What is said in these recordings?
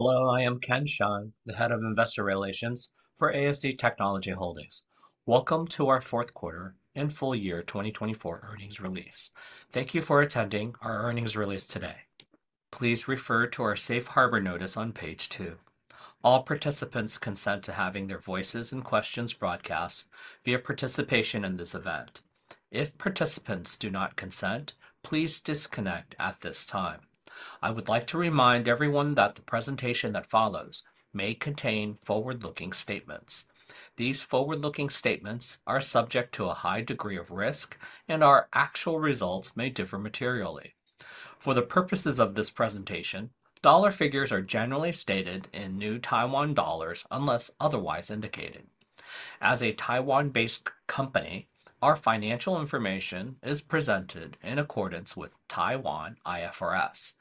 Hello, I am Ken Hsiang, the Head of Investor Relations for ASE Technology Holdings. Welcome to our fourth quarter and full year 2024 earnings release. Thank you for attending our earnings release today. Please refer to our safe harbor notice on page two. All participants consent to having their voices and questions broadcast via participation in this event. If participants do not consent, please disconnect at this time. I would like to remind everyone that the presentation that follows may contain forward-looking statements. These forward-looking statements are subject to a high degree of risk, and our actual results may differ materially. For the purposes of this presentation, dollar figures are generally stated in New Taiwan dollars unless otherwise indicated. As a Taiwan-based company, our financial information is presented in accordance with Taiwan IFRS.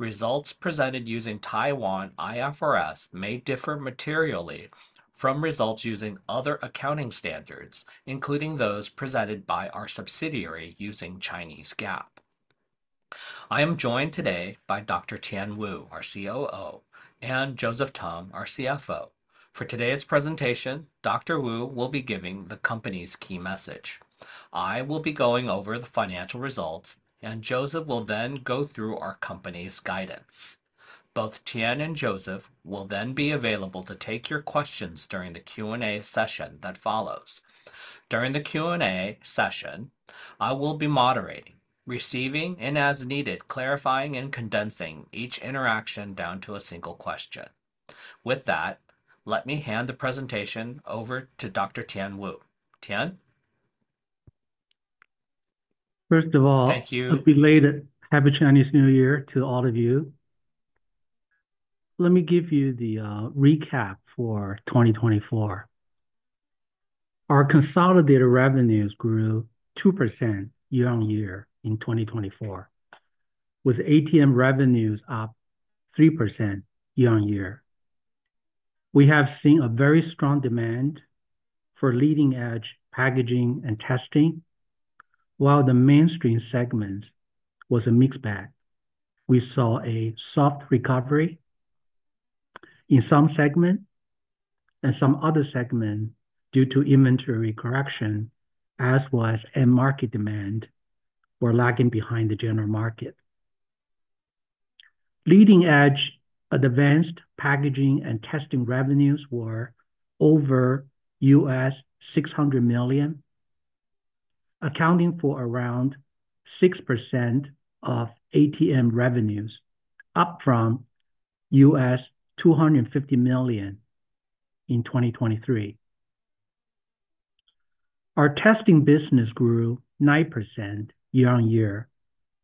Results presented using Taiwan IFRS may differ materially from results using other accounting standards, including those presented by our subsidiary using Chinese GAAP. I am joined today by Dr. Tien Wu, our COO, and Joseph Tung, our CFO. For today's presentation, Dr. Wu will be giving the company's key message. I will be going over the financial results, and Joseph will then go through our company's guidance. Both Tien and Joseph will then be available to take your questions during the Q&A session that follows. During the Q&A session, I will be moderating, receiving, and as needed, clarifying and condensing each interaction down to a single question. With that, let me hand the presentation over to Dr. Tien Wu. Tien? First of all. Thank you. Happy Chinese New Year to all of you. Let me give you the recap for 2024. Our consolidated revenues grew 2% year-on-year in 2024, with ATM revenues up 3% year-on-year. We have seen a very strong demand for leading-edge packaging and testing, while the mainstream segment was a mixed bag. We saw a soft recovery in some segments and some other segments due to inventory correction, as well as end-market demand lagging behind the general market. Leading-edge advanced packaging and testing revenues were over $600 million, accounting for around 6% of ATM revenues, up from $250 million in 2023. Our testing business grew 9% year-on-year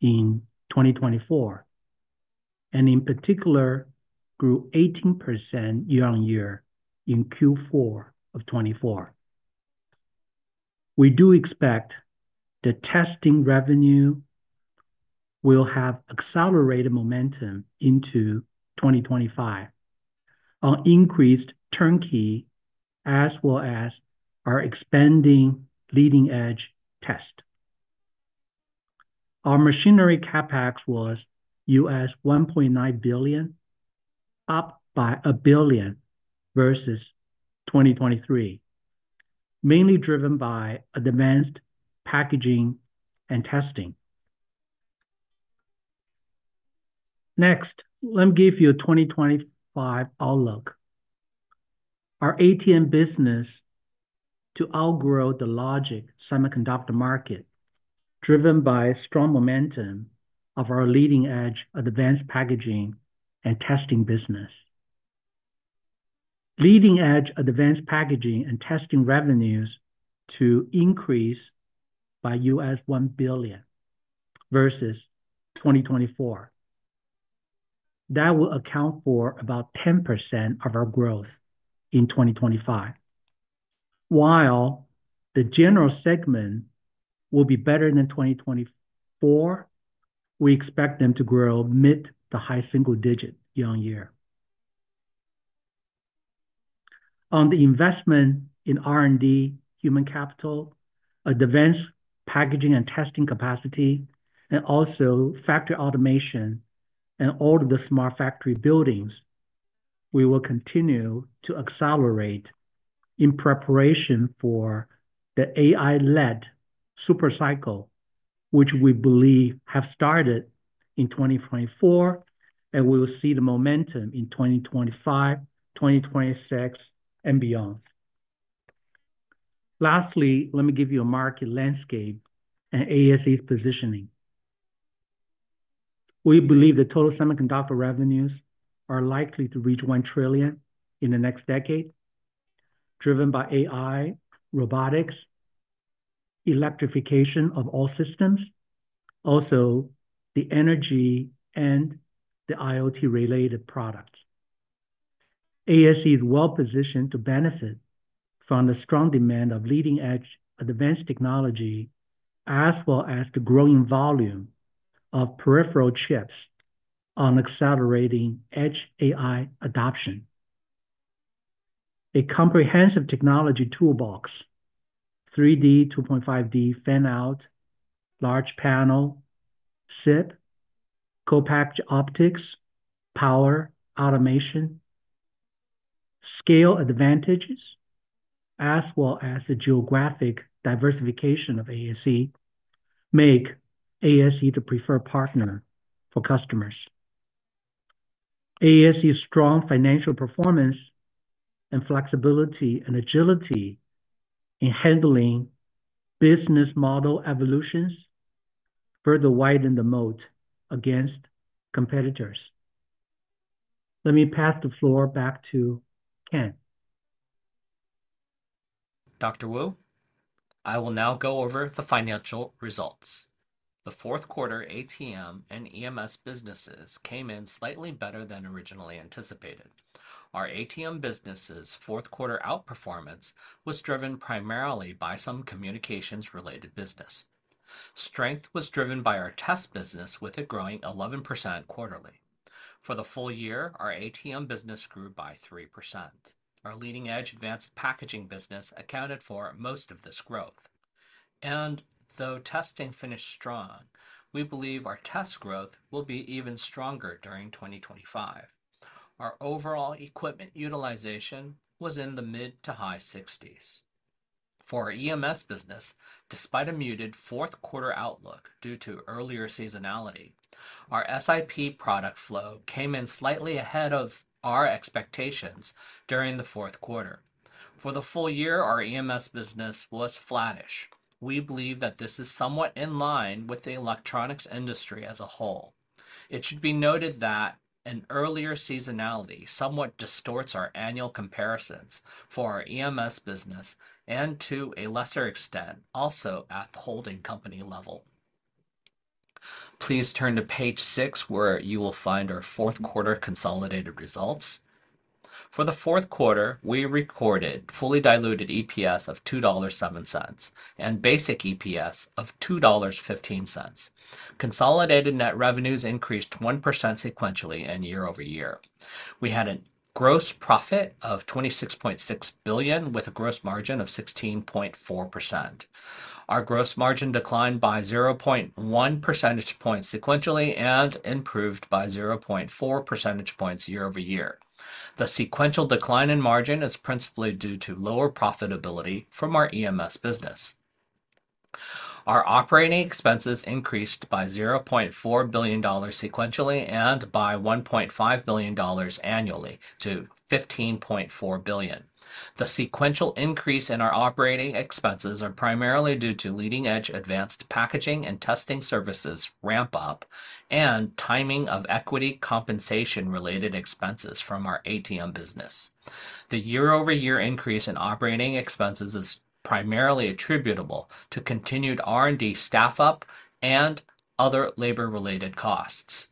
in 2024, and in particular, grew 18% year-on-year in Q4 of 2024. We do expect the testing revenue will have accelerated momentum into 2025 on increased turnkey, as well as our expanding leading-edge test. Our machinery CapEx was $1.9 billion, up by a billion versus 2023, mainly driven by advanced packaging and testing. Next, let me give you a 2025 outlook. Our ATM business outgrew the logic semiconductor market, driven by strong momentum of our leading-edge advanced packaging and testing business. Leading-edge advanced packaging and testing revenues to increase by $1 billion versus 2024. That will account for about 10% of our growth in 2025. While the general segment will be better than 2024, we expect them to grow mid- to high-single-digit year-on-year. On the investment in R&D, human capital, advanced packaging and testing capacity, and also factory automation and all of the smart factory buildings, we will continue to accelerate in preparation for the AI-led supercycle, which we believe has started in 2024, and we will see the momentum in 2025, 2026, and beyond. Lastly, let me give you a market landscape and ASE's positioning. We believe the total semiconductor revenues are likely to reach $1 trillion in the next decade, driven by AI, robotics, electrification of all systems, also the energy and the IoT-related products. ASE is well-positioned to benefit from the strong demand of leading-edge advanced technology, as well as the growing volume of peripheral chips on accelerating edge AI adoption. A comprehensive technology toolbox: 3D, 2.5D, Fan-out, large panel, SiP, Co-Packaged Optics, power, automation. Scale advantages, as well as the geographic diversification of ASE, make ASE the preferred partner for customers. ASE's strong financial performance and flexibility and agility in handling business model evolutions further widen the moat against competitors. Let me pass the floor back to Ken. Dr. Wu, I will now go over the financial results. The fourth quarter ATM and EMS businesses came in slightly better than originally anticipated. Our ATM business's fourth quarter outperformance was driven primarily by some communications-related business. Strength was driven by our test business with a growing 11% quarterly. For the full year, our ATM business grew by 3%. Our leading-edge advanced packaging business accounted for most of this growth, and though testing finished strong, we believe our test growth will be even stronger during 2025. Our overall equipment utilization was in the mid to high 60s. For our EMS business, despite a muted fourth quarter outlook due to earlier seasonality, our SiP product flow came in slightly ahead of our expectations during the fourth quarter. For the full year, our EMS business was flattish. We believe that this is somewhat in line with the electronics industry as a whole. It should be noted that an earlier seasonality somewhat distorts our annual comparisons for our EMS business and, to a lesser extent, also at the holding company level. Please turn to page six, where you will find our fourth quarter consolidated results. For the fourth quarter, we recorded fully diluted EPS of $2.07 and basic EPS of $2.15. Consolidated net revenues increased 1% sequentially and year-over-year. We had a gross profit of $26.6 billion with a gross margin of 16.4%. Our gross margin declined by 0.1 percentage points sequentially and improved by 0.4 percentage points year-over-year. The sequential decline in margin is principally due to lower profitability from our EMS business. Our operating expenses increased by $0.4 billion sequentially and by $1.5 billion annually to $15.4 billion. The sequential increase in our operating expenses is primarily due to leading-edge advanced packaging and testing services ramp-up and timing of equity compensation-related expenses from our ATM business. The year-over-year increase in operating expenses is primarily attributable to continued R&D staff-up and other labor-related costs.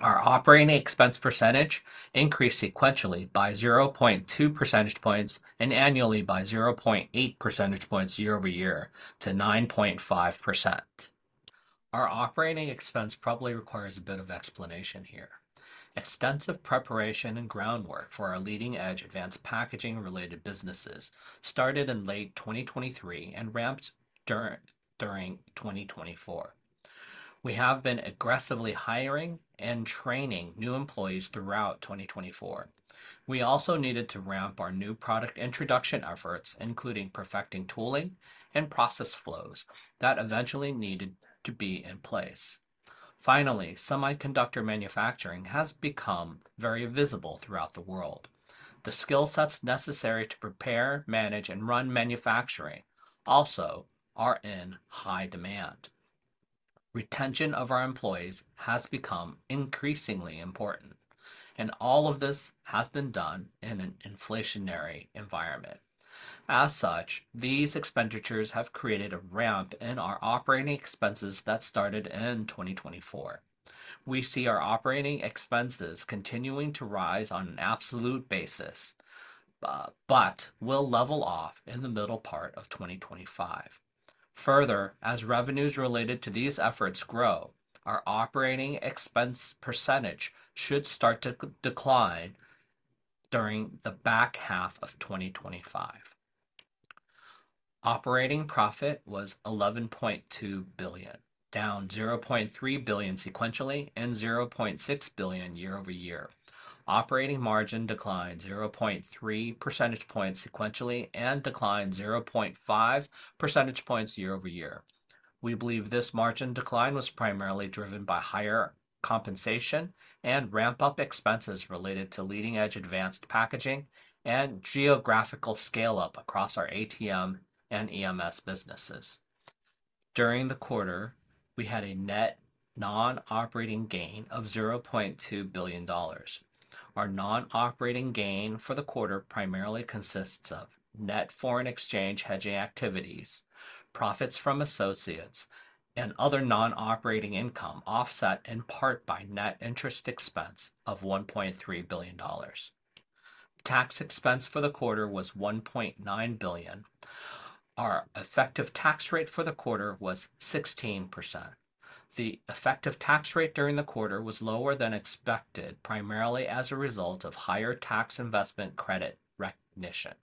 Our operating expense percentage increased sequentially by 0.2 percentage points and annually by 0.8 percentage points year-over-year to 9.5%. Our operating expense probably requires a bit of explanation here. Extensive preparation and groundwork for our leading-edge advanced packaging-related businesses started in late 2023 and ramped during 2024. We have been aggressively hiring and training new employees throughout 2024. We also needed to ramp our new product introduction efforts, including perfecting tooling and process flows that eventually needed to be in place. Finally, semiconductor manufacturing has become very visible throughout the world. The skill sets necessary to prepare, manage, and run manufacturing also are in high demand. Retention of our employees has become increasingly important, and all of this has been done in an inflationary environment. As such, these expenditures have created a ramp in our operating expenses that started in 2024. We see our operating expenses continuing to rise on an absolute basis, but will level off in the middle part of 2025. Further, as revenues related to these efforts grow, our operating expense percentage should start to decline during the back half of 2025. Operating profit was $11.2 billion, down $0.3 billion sequentially and $0.6 billion year-over-year. Operating margin declined 0.3 percentage points sequentially and declined 0.5 percentage points year-over-year. We believe this margin decline was primarily driven by higher compensation and ramp-up expenses related to leading-edge advanced packaging and geographical scale-up across our ATM and EMS businesses. During the quarter, we had a net non-operating gain of 0.2 billion dollars. Our non-operating gain for the quarter primarily consists of net foreign exchange hedging activities, profits from associates, and other non-operating income offset in part by net interest expense of 1.3 billion dollars. Tax expense for the quarter was 1.9 billion. Our effective tax rate for the quarter was 16%. The effective tax rate during the quarter was lower than expected, primarily as a result of higher tax investment credit recognition.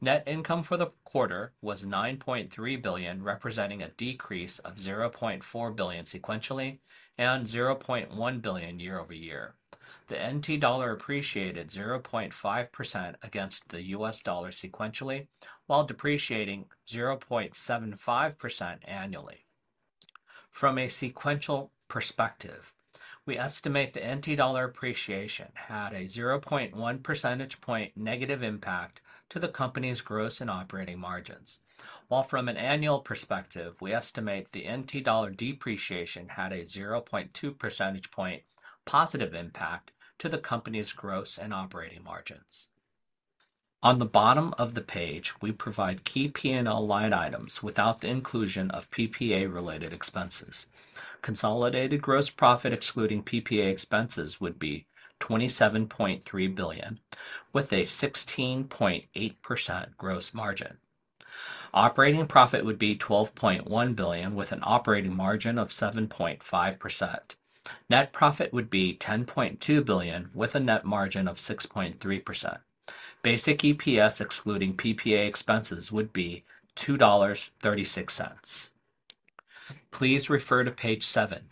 Net income for the quarter was 9.3 billion, representing a decrease of 0.4 billion sequentially and 0.1 billion year-over-year. The NT dollar appreciated 0.5% against the U.S. dollar sequentially, while depreciating 0.75% annually. From a sequential perspective, we estimate the NT dollar appreciation had a 0.1 percentage point negative impact to the company's gross and operating margins, while from an annual perspective, we estimate the NT dollar depreciation had a 0.2 percentage point positive impact to the company's gross and operating margins. On the bottom of the page, we provide key P&L line items without the inclusion of PPA-related expenses. Consolidated gross profit excluding PPA expenses would be $27.3 billion, with a 16.8% gross margin. Operating profit would be $12.1 billion, with an operating margin of 7.5%. Net profit would be $10.2 billion, with a net margin of 6.3%. Basic EPS excluding PPA expenses would be $2.36. Please refer to page seven.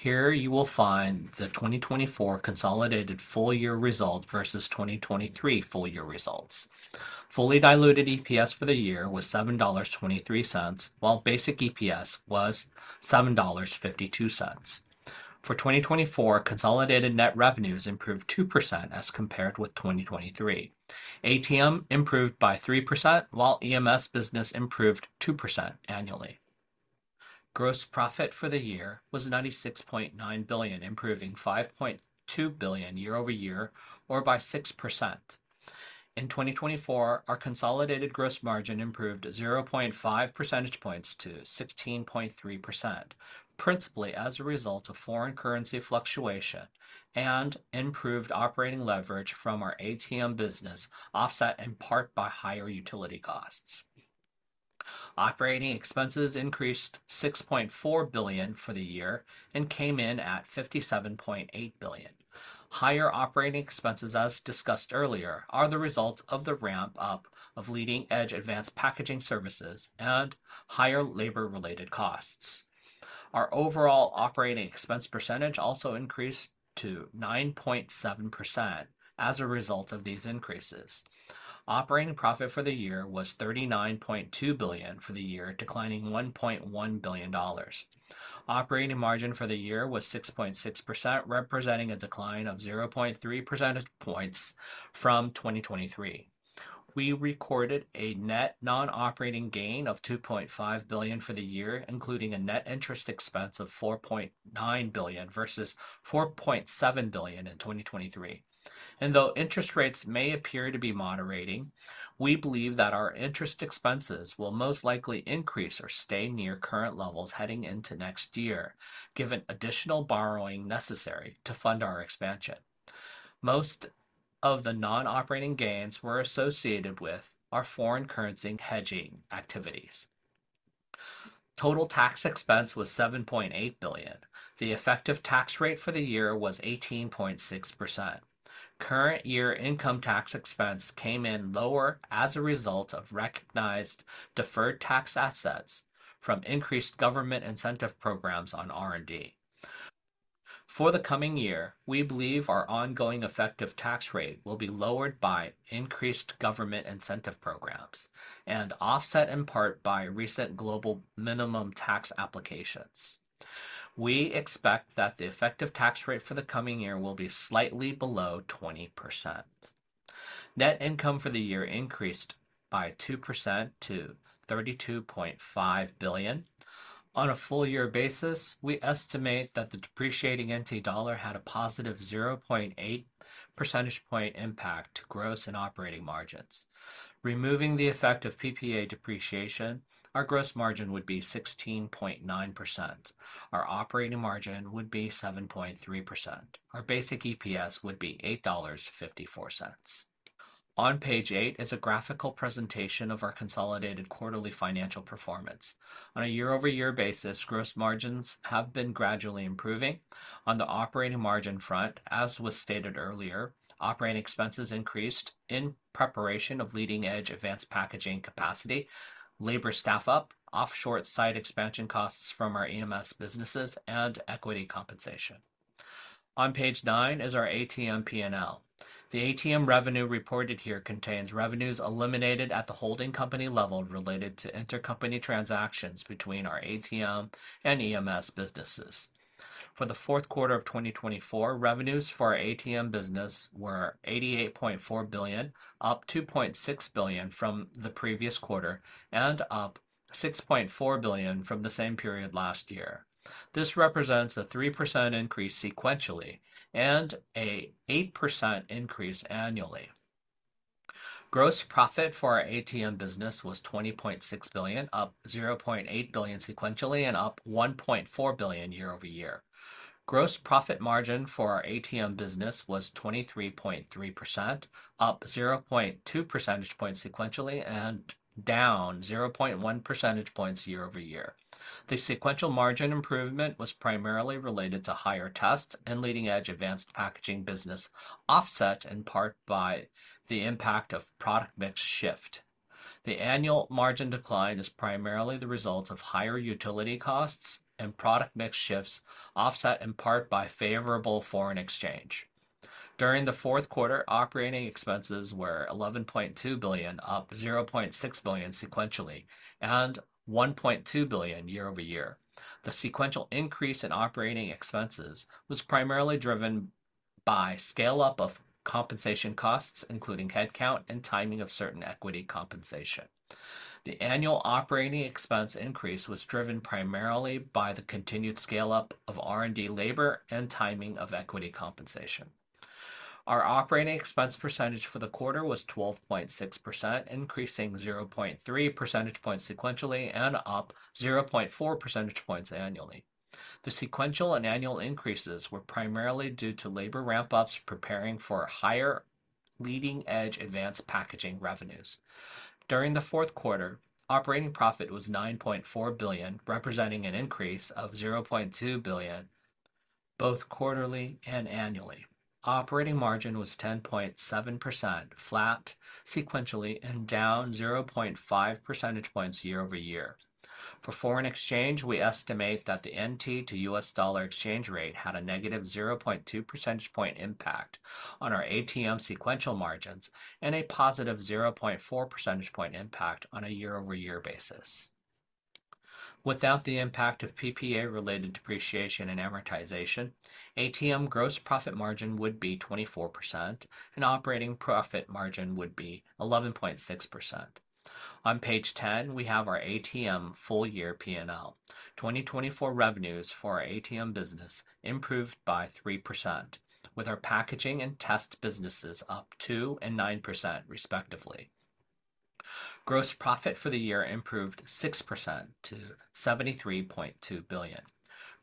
Here you will find the 2024 consolidated full-year result versus 2023 full-year results. Fully diluted EPS for the year was $7.23, while basic EPS was $7.52. For 2024, consolidated net revenues improved 2% as compared with 2023. ATM improved by 3%, while EMS business improved 2% annually. Gross profit for the year was 96.9 billion, improving 5.2 billion year-over-year, or by 6%. In 2024, our consolidated gross margin improved 0.5 percentage points to 16.3%, principally as a result of foreign currency fluctuation and improved operating leverage from our ATM business offset in part by higher utility costs. Operating expenses increased 6.4 billion for the year and came in at 57.8 billion. Higher operating expenses, as discussed earlier, are the result of the ramp-up of leading-edge advanced packaging services and higher labor-related costs. Our overall operating expense percentage also increased to 9.7% as a result of these increases. Operating profit for the year was 39.2 billion for the year, declining 1.1 billion dollars. Operating margin for the year was 6.6%, representing a decline of 0.3 percentage points from 2023. We recorded a net non-operating gain of $2.5 billion for the year, including a net interest expense of $4.9 billion versus $4.7 billion in 2023. And though interest rates may appear to be moderating, we believe that our interest expenses will most likely increase or stay near current levels heading into next year, given additional borrowing necessary to fund our expansion. Most of the non-operating gains were associated with our foreign currency hedging activities. Total tax expense was $7.8 billion. The effective tax rate for the year was 18.6%. Current year income tax expense came in lower as a result of recognized deferred tax assets from increased government incentive programs on R&D. For the coming year, we believe our ongoing effective tax rate will be lowered by increased government incentive programs and offset in part by recent global minimum tax applications. We expect that the effective tax rate for the coming year will be slightly below 20%. Net income for the year increased by 2% to $32.5 billion. On a full-year basis, we estimate that the depreciating NT dollar had a positive 0.8 percentage point impact to gross and operating margins. Removing the effect of PPA depreciation, our gross margin would be 16.9%. Our operating margin would be 7.3%. Our basic EPS would be $8.54. On page eight is a graphical presentation of our consolidated quarterly financial performance. On a year-over-year basis, gross margins have been gradually improving. On the operating margin front, as was stated earlier, operating expenses increased in preparation of leading-edge advanced packaging capacity, labor staff-up, offshore site expansion costs from our EMS businesses, and equity compensation. On page nine is our ATM P&L. The ATM revenue reported here contains revenues eliminated at the holding company level related to intercompany transactions between our ATM and EMS businesses. For the fourth quarter of 2024, revenues for our ATM business were 88.4 billion, up 2.6 billion from the previous quarter, and up 6.4 billion from the same period last year. This represents a 3% increase sequentially and an 8% increase annually. Gross profit for our ATM business was 20.6 billion, up 0.8 billion sequentially and up 1.4 billion year-over-year. Gross profit margin for our ATM business was 23.3%, up 0.2 percentage points sequentially and down 0.1 percentage points year-over-year. The sequential margin improvement was primarily related to higher tests and leading-edge advanced packaging business offset in part by the impact of product mix shift. The annual margin decline is primarily the result of higher utility costs and product mix shifts offset in part by favorable foreign exchange. During the fourth quarter, operating expenses were $11.2 billion, up $0.6 billion sequentially, and $1.2 billion year-over-year. The sequential increase in operating expenses was primarily driven by scale-up of compensation costs, including headcount and timing of certain equity compensation. The annual operating expense increase was driven primarily by the continued scale-up of R&D labor and timing of equity compensation. Our operating expense percentage for the quarter was 12.6%, increasing 0.3 percentage points sequentially and up 0.4 percentage points annually. The sequential and annual increases were primarily due to labor ramp-ups preparing for higher leading-edge advanced packaging revenues. During the fourth quarter, operating profit was 9.4 billion, representing an increase of 0.2 billion both quarterly and annually. Operating margin was 10.7%, flat sequentially and down 0.5 percentage points year-over-year. For foreign exchange, we estimate that the NT to U.S. dollar exchange rate had a negative 0.2 percentage point impact on our ATM sequential margins and a positive 0.4 percentage point impact on a year-over-year basis. Without the impact of PPA-related depreciation and amortization, ATM gross profit margin would be 24%, and operating profit margin would be 11.6%. On page 10, we have our ATM full-year P&L. 2024 revenues for our ATM business improved by 3%, with our packaging and test businesses up 2% and 9%, respectively. Gross profit for the year improved 6% to 73.2 billion.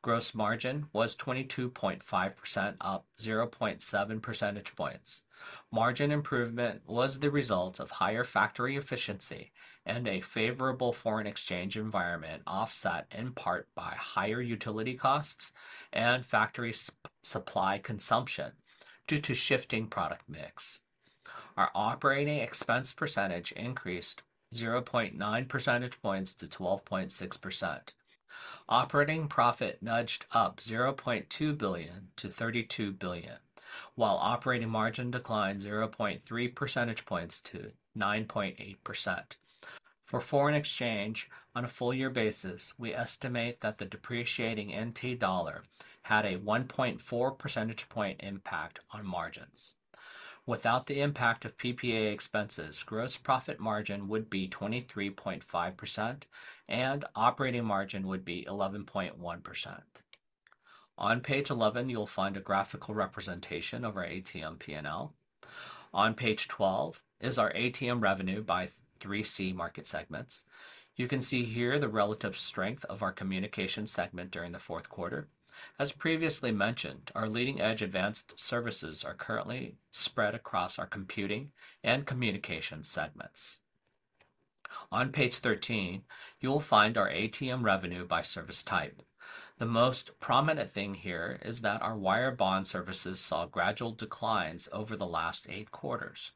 Gross margin was 22.5%, up 0.7 percentage points. Margin improvement was the result of higher factory efficiency and a favorable foreign exchange environment offset in part by higher utility costs and factory supply consumption due to shifting product mix. Our operating expense percentage increased 0.9 percentage points to 12.6%. Operating profit nudged up 0.2 billion to 32 billion, while operating margin declined 0.3 percentage points to 9.8%. For foreign exchange, on a full-year basis, we estimate that the depreciating NT dollar had a 1.4 percentage point impact on margins. Without the impact of PPA expenses, gross profit margin would be 23.5%, and operating margin would be 11.1%. On page 11, you'll find a graphical representation of our ATM P&L. On page 12 is our ATM revenue by 3C market segments. You can see here the relative strength of our communication segment during the fourth quarter. As previously mentioned, our leading-edge advanced services are currently spread across our computing and communication segments. On page 13, you'll find our ATM revenue by service type. The most prominent thing here is that our wire bond services saw gradual declines over the last eight quarters.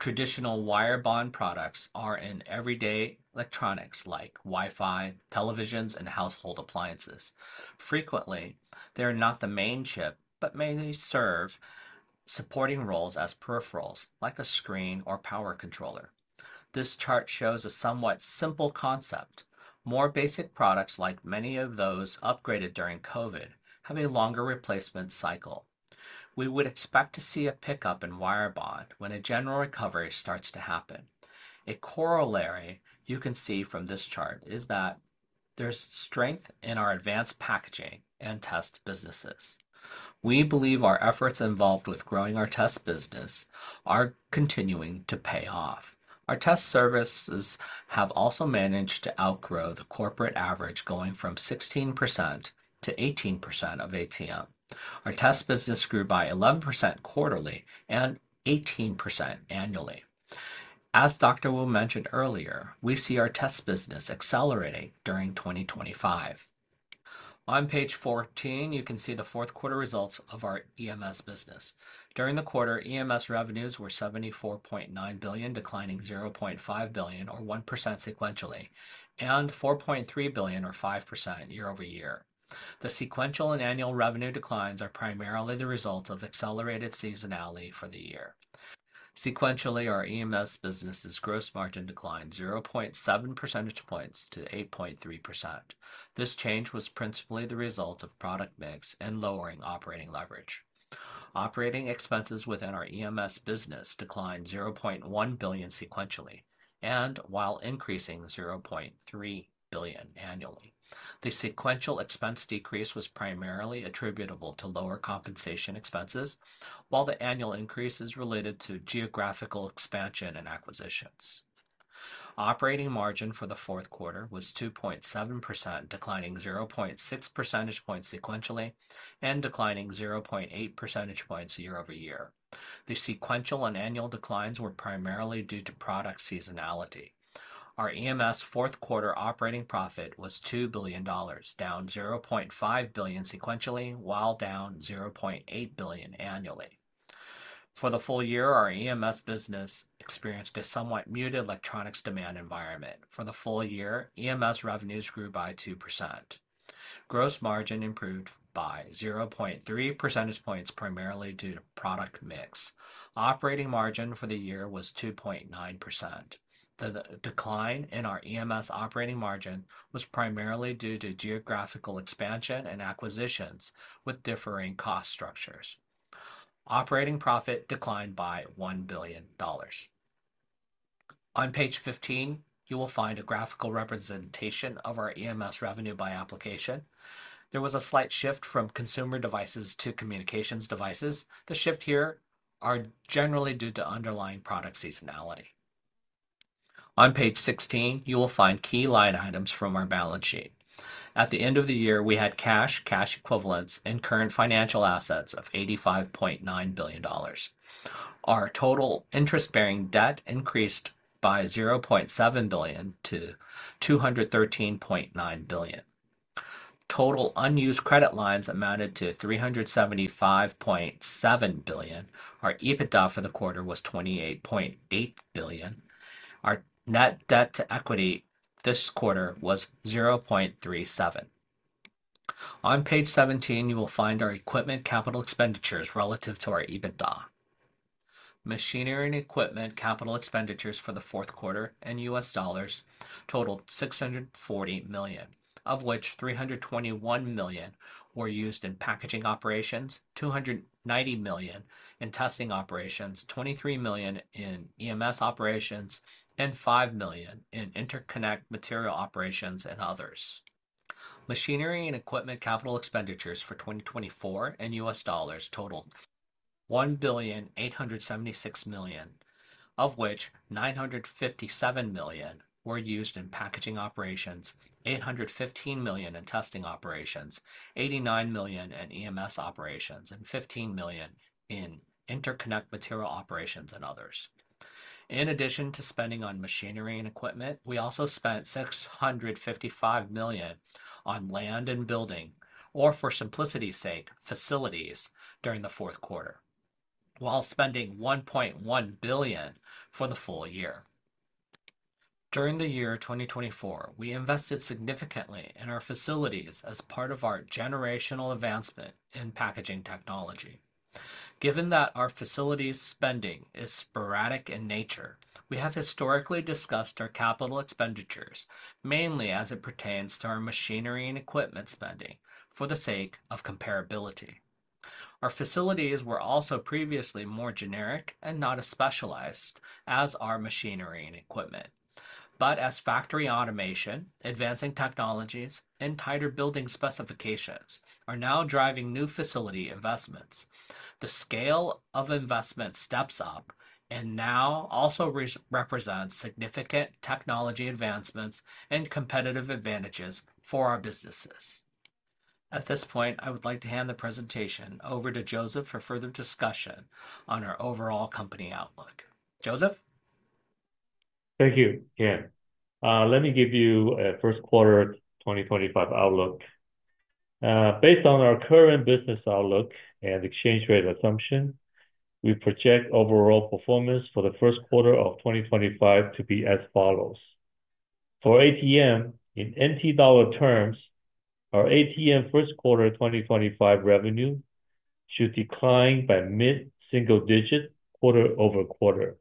Traditional wire bond products are in everyday electronics like Wi-Fi, televisions, and household appliances. Frequently, they are not the main chip, but mainly serve supporting roles as peripherals like a screen or power controller. This chart shows a somewhat simple concept. More basic products, like many of those upgraded during COVID, have a longer replacement cycle. We would expect to see a pickup in wire bond when a general recovery starts to happen. A corollary you can see from this chart is that there's strength in our advanced packaging and test businesses. We believe our efforts involved with growing our test business are continuing to pay off. Our test services have also managed to outgrow the corporate average, going from 16% to 18% of ATM. Our test business grew by 11% quarterly and 18% annually. As Dr. Wu mentioned earlier, we see our test business accelerating during 2025. On page 14, you can see the fourth quarter results of our EMS business. During the quarter, EMS revenues were 74.9 billion, declining 0.5 billion, or 1% sequentially, and 4.3 billion, or 5%, year-over-year. The sequential and annual revenue declines are primarily the result of accelerated seasonality for the year. Sequentially, our EMS business's gross margin declined 0.7 percentage points to 8.3%. This change was principally the result of product mix and lowering operating leverage. Operating expenses within our EMS business declined 0.1 billion sequentially and while increasing 0.3 billion annually. The sequential expense decrease was primarily attributable to lower compensation expenses, while the annual increase is related to geographical expansion and acquisitions. Operating margin for the fourth quarter was 2.7%, declining 0.6 percentage points sequentially and declining 0.8 percentage points year-over-year. The sequential and annual declines were primarily due to product seasonality. Our EMS fourth quarter operating profit was $2 billion, down $0.5 billion sequentially, while down $0.8 billion annually. For the full year, our EMS business experienced a somewhat muted electronics demand environment. For the full year, EMS revenues grew by 2%. Gross margin improved by 0.3 percentage points, primarily due to product mix. Operating margin for the year was 2.9%. The decline in our EMS operating margin was primarily due to geographical expansion and acquisitions with differing cost structures. Operating profit declined by $1 billion. On page 15, you will find a graphical representation of our EMS revenue by application. There was a slight shift from consumer devices to communications devices. The shift here is generally due to underlying product seasonality. On page 16, you will find key line items from our balance sheet. At the end of the year, we had cash, cash equivalents, and current financial assets of 85.9 billion dollars. Our total interest-bearing debt increased by 0.7 billion to 213.9 billion. Total unused credit lines amounted to 375.7 billion. Our EBITDA for the quarter was 28.8 billion. Our net debt to equity this quarter was 0.37. On page 17, you will find our equipment capital expenditures relative to our EBITDA. Machinery and equipment capital expenditures for the fourth quarter in U.S. dollars totaled $640 million, of which $321 million were used in packaging operations, $290 million in testing operations, $23 million in EMS operations, and $5 million in interconnect material operations and others. Machinery and equipment capital expenditures for 2024 in U.S. dollars totaled $1,876 million, of which $957 million were used in packaging operations, $815 million in testing operations, $89 million in EMS operations, and $15 million in interconnect material operations and others. In addition to spending on machinery and equipment, we also spent $655 million on land and building, or for simplicity's sake, facilities during the fourth quarter, while spending $1.1 billion for the full year. During the year 2024, we invested significantly in our facilities as part of our generational advancement in packaging technology. Given that our facilities spending is sporadic in nature, we have historically discussed our capital expenditures mainly as it pertains to our machinery and equipment spending for the sake of comparability. Our facilities were also previously more generic and not as specialized as our machinery and equipment. But as factory automation, advancing technologies, and tighter building specifications are now driving new facility investments, the scale of investment steps up and now also represents significant technology advancements and competitive advantages for our businesses. At this point, I would like to hand the presentation over to Joseph for further discussion on our overall company outlook. Joseph? Thank you, Ken. Let me give you a first quarter 2025 outlook. Based on our current business outlook and exchange rate assumption, we project overall performance for the first quarter of 2025 to be as follows. For ATM, in NT dollar terms, our ATM first quarter 2025 revenue should decline by mid-single digit quarter over quarter,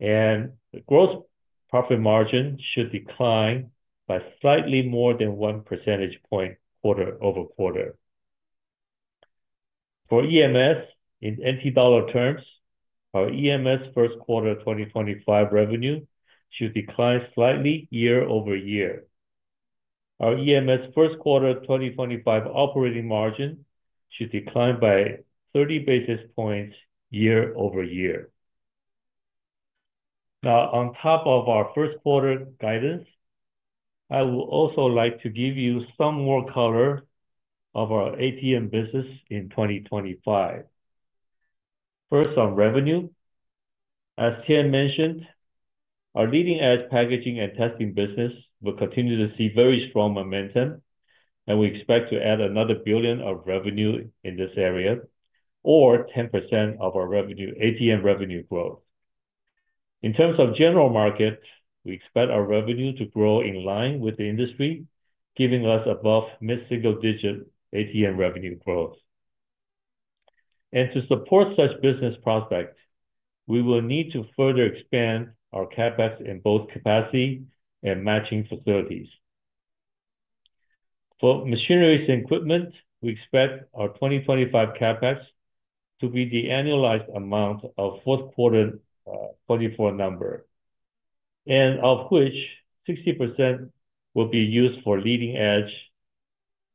and the gross profit margin should decline by slightly more than one percentage point quarter over quarter. For EMS, in NT dollar terms, our EMS first quarter 2025 revenue should decline slightly year over year. Our EMS first quarter 2025 operating margin should decline by 30 basis points year over year. Now, on top of our first quarter guidance, I would also like to give you some more color of our ATM business in 2025. First, on revenue, as Ken mentioned, our leading-edge packaging and testing business will continue to see very strong momentum, and we expect to add another billion of revenue in this area, or 10% of our ATM revenue growth. In terms of general market, we expect our revenue to grow in line with the industry, giving us above mid-single digit ATM revenue growth. And to support such business prospects, we will need to further expand our CapEx in both capacity and matching facilities. For machinery and equipment, we expect our 2025 CapEx to be the annualized amount of fourth quarter 2024 number, and of which 60% will be used for leading edge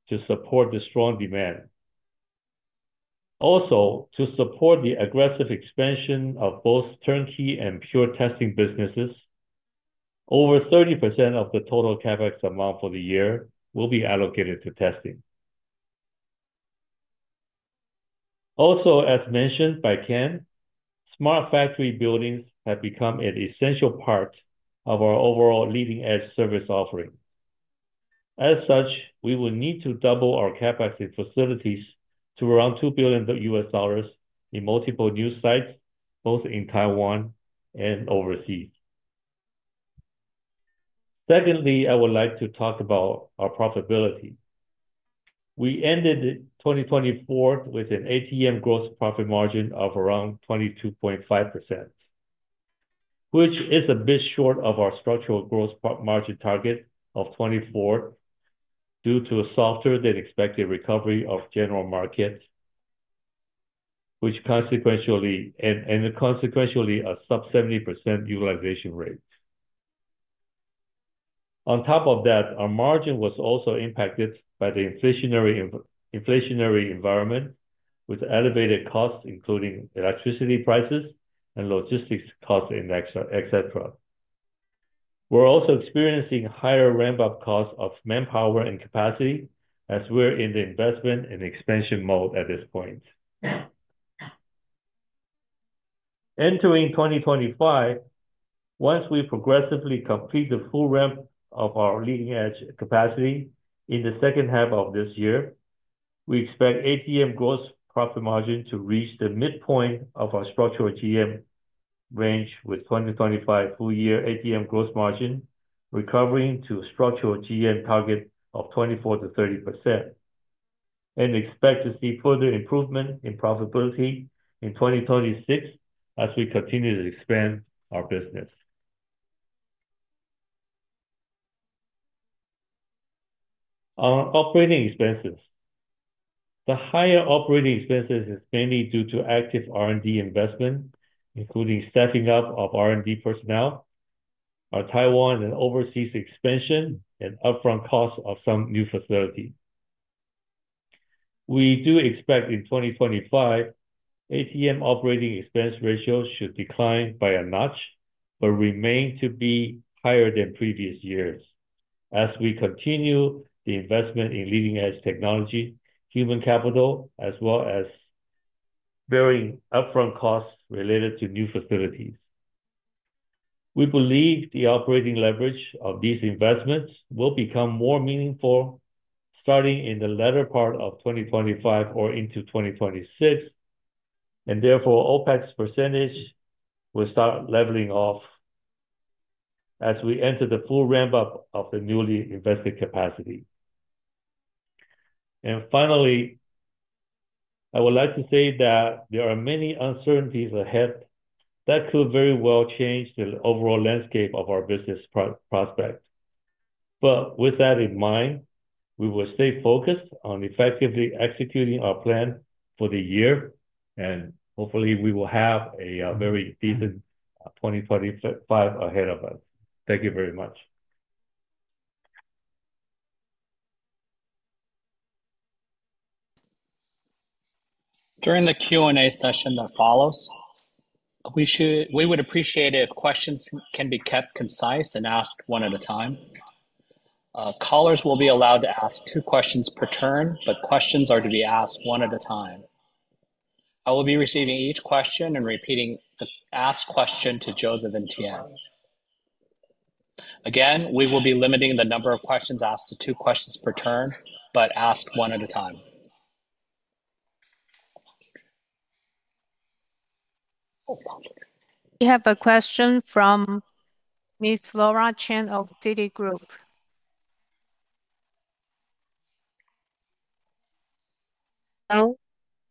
to support the strong demand. Also, to support the aggressive expansion of both turnkey and pure testing businesses, over 30% of the total CapEx amount for the year will be allocated to testing. Also, as mentioned by Ken, smart factory buildings have become an essential part of our overall leading-edge service offering. As such, we will need to double our CapEx in facilities to around $2 billion U.S. dollars in multiple new sites, both in Taiwan and overseas. Secondly, I would like to talk about our profitability. We ended 2024 with an ATM gross profit margin of around 22.5%, which is a bit short of our structural gross margin target of 24% due to a softer-than-expected recovery of general market, which consequentially and a sub-70% utilization rate. On top of that, our margin was also impacted by the inflationary environment with elevated costs, including electricity prices and logistics costs, etc. We're also experiencing higher ramp-up costs of manpower and capacity as we're in the investment and expansion mode at this point. Entering 2025, once we progressively complete the full ramp of our leading-edge capacity in the second half of this year, we expect ATM gross profit margin to reach the midpoint of our structural GM range with 2025 full-year ATM gross margin recovering to a structural GM target of 24%-30%, and expect to see further improvement in profitability in 2026 as we continue to expand our business. Our operating expenses. The higher operating expenses is mainly due to active R&D investment, including staffing up of R&D personnel, our Taiwan and overseas expansion, and upfront costs of some new facility. We do expect in 2025, ATM operating expense ratios should decline by a notch, but remain to be higher than previous years as we continue the investment in leading-edge technology, human capital, as well as varying upfront costs related to new facilities. We believe the operating leverage of these investments will become more meaningful starting in the latter part of 2025 or into 2026, and therefore OpEx percentage will start leveling off as we enter the full ramp-up of the newly invested capacity. And finally, I would like to say that there are many uncertainties ahead that could very well change the overall landscape of our business prospect. But with that in mind, we will stay focused on effectively executing our plan for the year, and hopefully we will have a very decent 2025 ahead of us. Thank you very much. During the Q&A session that follows, we would appreciate it if questions can be kept concise and asked one at a time. Callers will be allowed to ask two questions per turn, but questions are to be asked one at a time. I will be receiving each question and repeating the asked question to Joseph and Tien. Again, we will be limiting the number of questions asked to two questions per turn, but asked one at a time. We have a question from Ms. Laura Chen of Citigroup.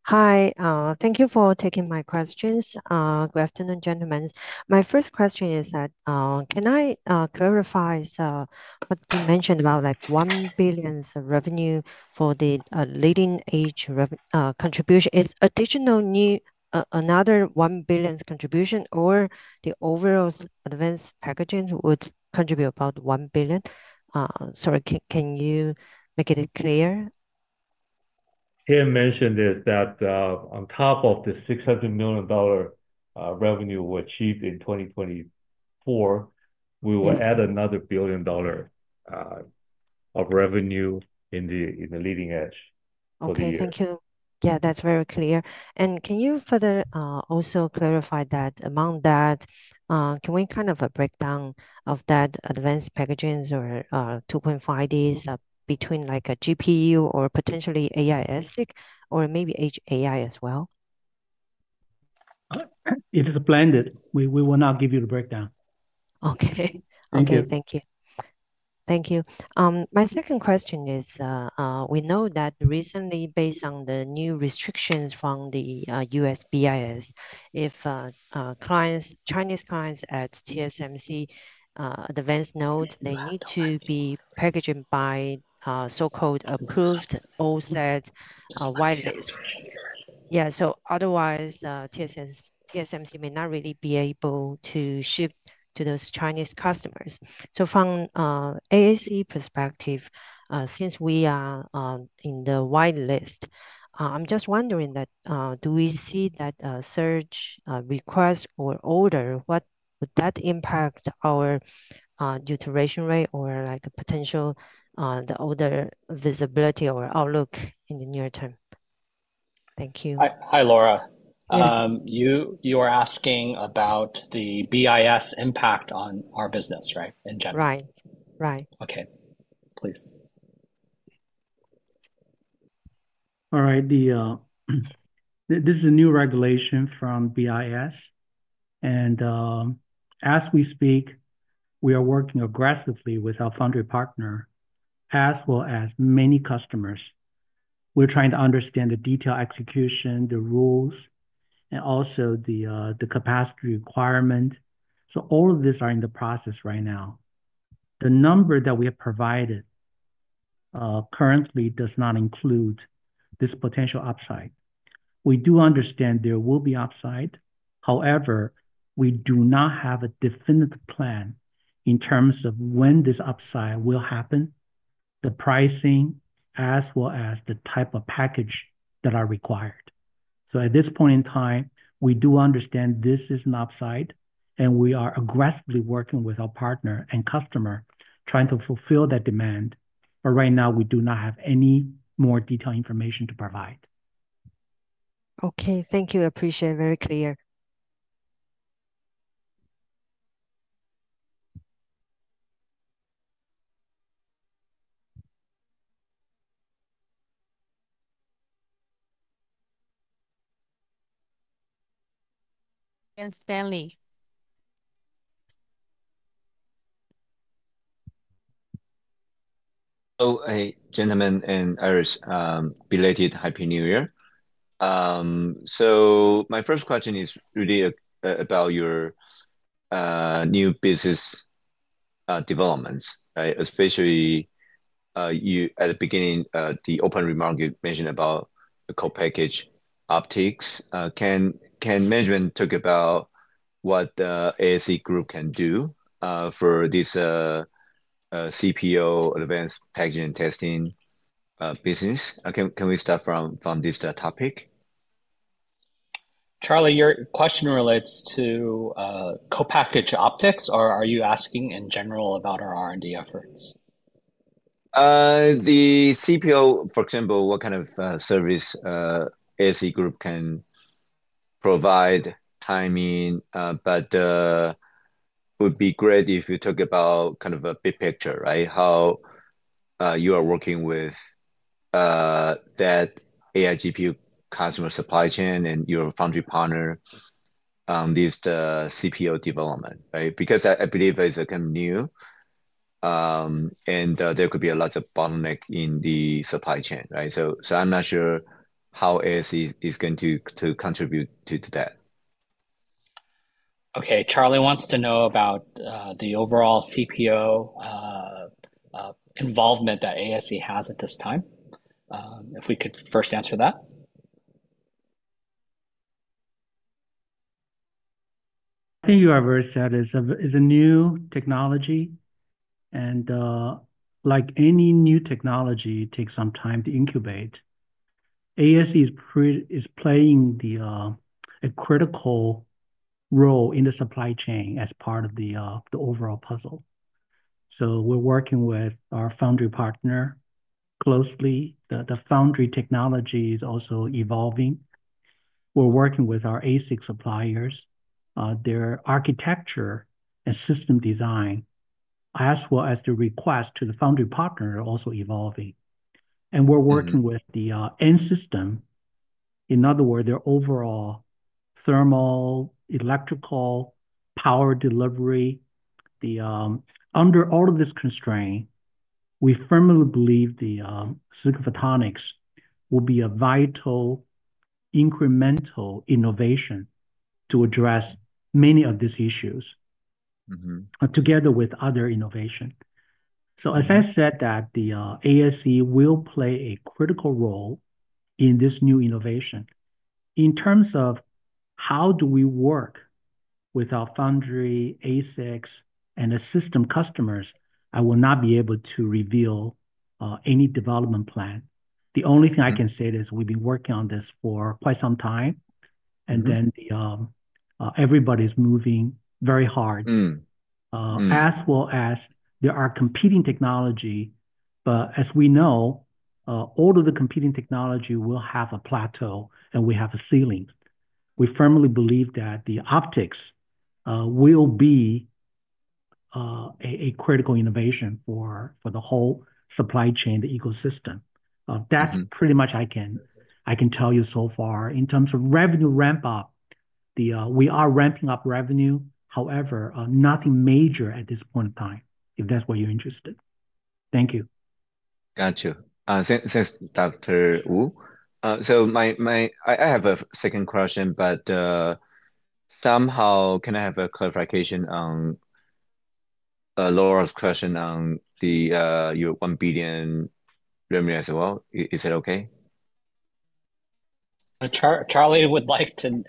Hi. Thank you for taking my questions. Good afternoon, gentlemen. My first question is, can I clarify what you mentioned about like $1 billion revenue for the leading-edge contribution? Is additional new another $1 billion contribution, or the overall advanced packaging would contribute about $1 billion? Sorry, can you make it clear? Ken mentioned that on top of the $600 million revenue we achieved in 2024, we will add another billion of revenue in the leading-edge. Okay, thank you. Yeah, that's very clear. And can you further also clarify that amount that can we kind of a breakdown of that advanced packaging or 2.5D's between like a GPU or potentially ASICs or maybe AI as well? It is a blended. We will not give you the breakdown. Okay. Okay, thank you. Thank you. My second question is we know that recently, based on the new restrictions from the U.S. BIS, if Chinese clients at TSMC advanced nodes, they need to be packaging by so-called approved OSAT whitelists. Yeah, so otherwise TSMC may not really be able to ship to those Chinese customers. So from ASE perspective, since we are in the whitelist, I'm just wondering that do we see that surge request or order, what would that impact our utilization rate or like potential the order visibility or outlook in the near term? Thank you. Hi, Laura. You were asking about the BIS impact on our business, right, in general. Right. Okay. Please. All right. This is a new regulation from BIS. And as we speak, we are working aggressively with our foundry partner as well as many customers. We're trying to understand the detailed execution, the rules, and also the capacity requirement. So all of these are in the process right now. The number that we have provided currently does not include this potential upside. We do understand there will be upside. However, we do not have a definitive plan in terms of when this upside will happen, the pricing, as well as the type of package that are required. So at this point in time, we do understand this is an upside, and we are aggressively working with our partner and customer trying to fulfill that demand. But right now, we do not have any more detailed information to provide. Okay. Thank you. Appreciate it. Very clear. And Morgan Stanley. Hello, gentlemen, and a very belated Happy New Year. So my first question is really about your new business developments, right? Especially at the beginning, the opening remarks mentioned about the co-packaged optics. Can management talk about what the ASE Group can do for this CPO advanced packaging and testing business? Can we start from this topic? Charlie, your question relates to co-packaged optics. Or are you asking in general about our R&D efforts? The CPO, for example, what kind of service ASE Group can provide. Timing. But it would be great if you talk about kind of a big picture, right? How you are working with that AI GPU customer supply chain and your foundry partner on this CPO development, right? Because I believe it's kind of new, and there could be a lot of bottlenecks in the supply chain, right, so I'm not sure how ASE is going to contribute to that. Okay. Charlie wants to know about the overall CPO involvement that ASE has at this time. If we could first answer that. I think you are very satisfied. It's a new technology, and like any new technology, it takes some time to incubate. ASE is playing a critical role in the supply chain as part of the overall puzzle, so we're working with our foundry partner closely. The foundry technology is also evolving. We're working with our ASIC suppliers. Their architecture and system design, as well as the request to the foundry partner, are also evolving, and we're working with the end system. In other words, their overall thermal, electrical, power delivery. Under all of these constraints, we firmly believe silicon photonics will be a vital incremental innovation to address many of these issues together with other innovations. As I said, ASE will play a critical role in this new innovation. In terms of how we work with our foundry, ASICs, and the system customers, I will not be able to reveal any development plan. The only thing I can say is we've been working on this for quite some time and then everybody's moving very hard, as well as there are competing technologies. As we know, all of the competing technologies will have a plateau and we have a ceiling. We firmly believe that the optics will be a critical innovation for the whole supply chain, the ecosystem. That's pretty much all I can tell you so far. In terms of revenue ramp-up, we are ramping up revenue. However, nothing major at this point in time, if that's what you're interested. Thank you. Gotcha. Thanks, Dr. Wu. So I have a second question, but somehow can I have a clarification on Laura's question on your 1 billion revenue as well? Is it okay? Charlie would like to.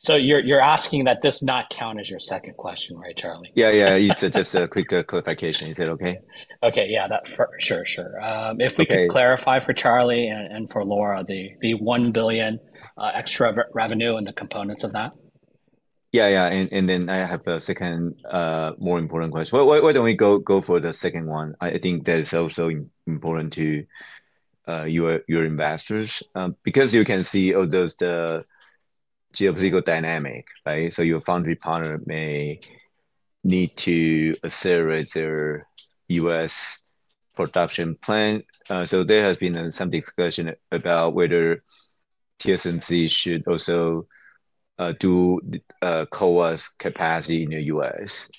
So you're asking that this not count as your second question, right, Charlie? Yeah, yeah. It's just a quick clarification. Is it okay? Okay. Yeah. Sure, sure. If we can clarify for Charlie and for Laura, the 1 billion extra revenue and the components of that. Yeah, yeah. And then I have a second more important question. Why don't we go for the second one? I think that is also important to your investors because you can see the geopolitical dynamic, right? Your foundry partner may need to accelerate their U.S. production plan. There has been some discussion about whether TSMC should also do CoWoS capacity in the U.S.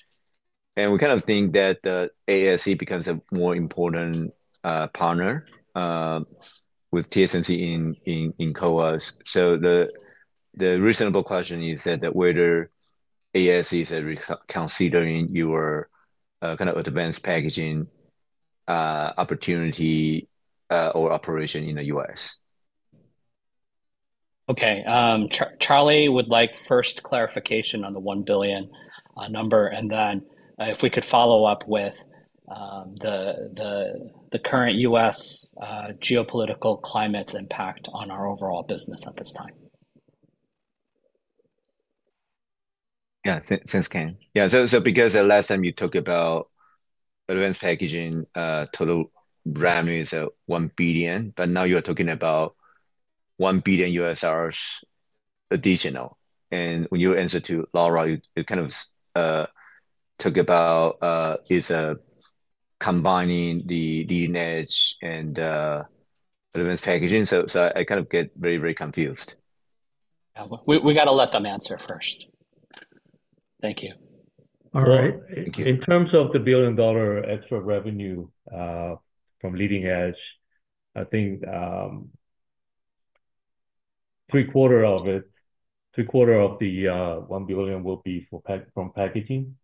We kind of think that ASE becomes a more important partner with TSMC in CoWoS. The reasonable question is whether ASE is considering advanced packaging opportunity or operation in the U.S. Okay. Charlie would like first clarification on the 1 billion number, and then if we could follow up with the current U.S. geopolitical climate's impact on our overall business at this time. Yeah. Thanks, Ken. Yeah. So because the last time you talked about advanced packaging total revenue is 1 billion, but now you're talking about $1 billion additional. When you answer to Laura, you kind of talked about combining the leading edge and advanced packaging. So I kind of get very, very confused. We got to let them answer first. Thank you. All right. In terms of the $1 billion extra revenue from leading-edge, I think three-quarters of it, three-quarters of the $1 billion will be from packaging.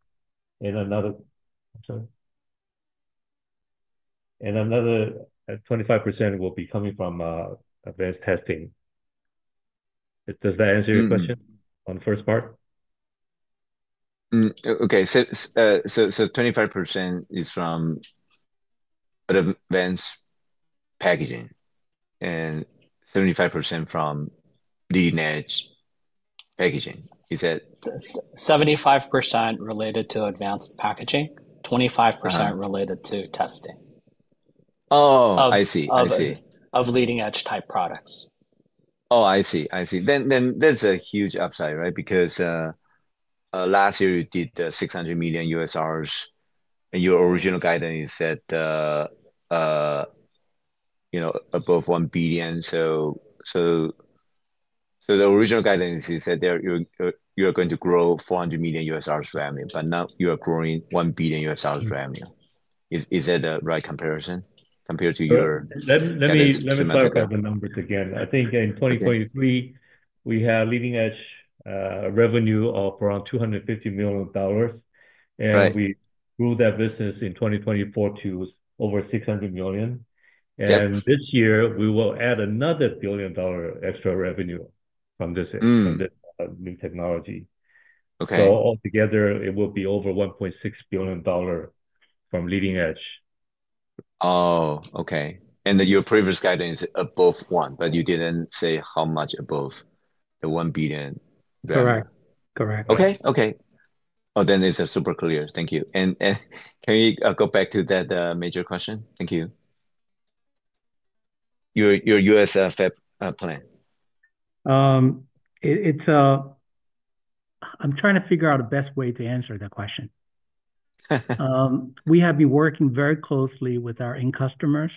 And another 25% will be coming from advanced testing. Does that answer your question on the first part? Okay. So 25% is from advanced packaging and 75% from leading-edge packaging. Is that? 75% related to advanced packaging, 25% related to testing. Oh, I see. I see. Of leading-edge type products. Oh, I see. I see. Then that's a huge upside, right? Because last year, you did $600 million. And your original guidance said above $1 billion. So the original guidance is that you're going to grow $400 million revenue, but now you are growing $1 billion revenue. Is that a right comparison compared to your? Let me talk about the numbers again. I think in 2023, we had leading-edge revenue of around $250 million, and we grew that business in 2024 to over $600 million, and this year, we will add another billion-dollar extra revenue from this new technology, so altogether, it will be over $1.6 billion from leading edge. Oh, okay, and then your previous guidance is above one, but you didn't say how much above the $1 billion revenue. Correct. Correct. Okay. Okay. Oh, then it's super clear. Thank you, and can you go back to that major question? Thank you. Your U.S. fab plan. I'm trying to figure out the best way to answer that question. We have been working very closely with our end customers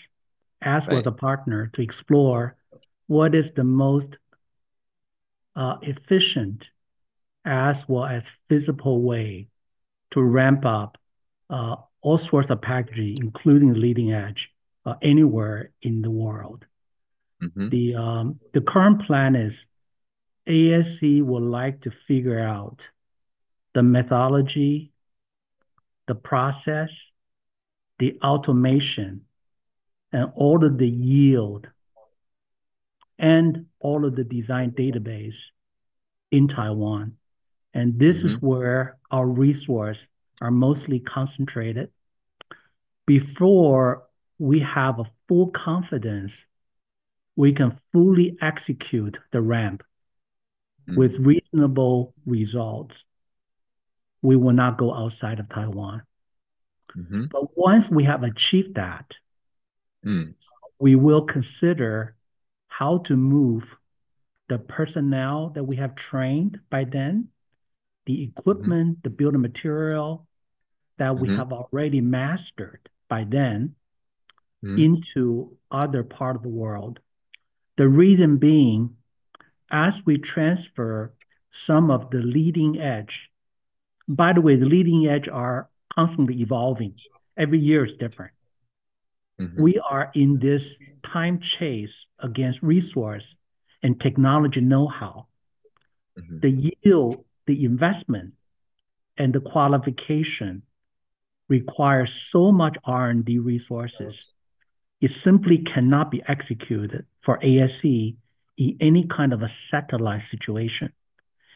as well as a partner to explore what is the most efficient as well as feasible way to ramp up all sorts of packaging, including leading edge, anywhere in the world. The current plan is ASE would like to figure out the methodology, the process, the automation, and all of the yield and all of the design database in Taiwan, and this is where our resources are mostly concentrated. Before we have full confidence, we can fully execute the ramp with reasonable results, we will not go outside of Taiwan, but once we have achieved that, we will consider how to move the personnel that we have trained by then, the equipment, the building material that we have already mastered by then into other parts of the world. The reason being, as we transfer some of the leading edge by the way, the leading edge are constantly evolving. Every year is different. We are in this time chase against resource and technology know-how. The yield, the investment, and the qualification require so much R&D resources. It simply cannot be executed for ASE in any kind of a satellite situation.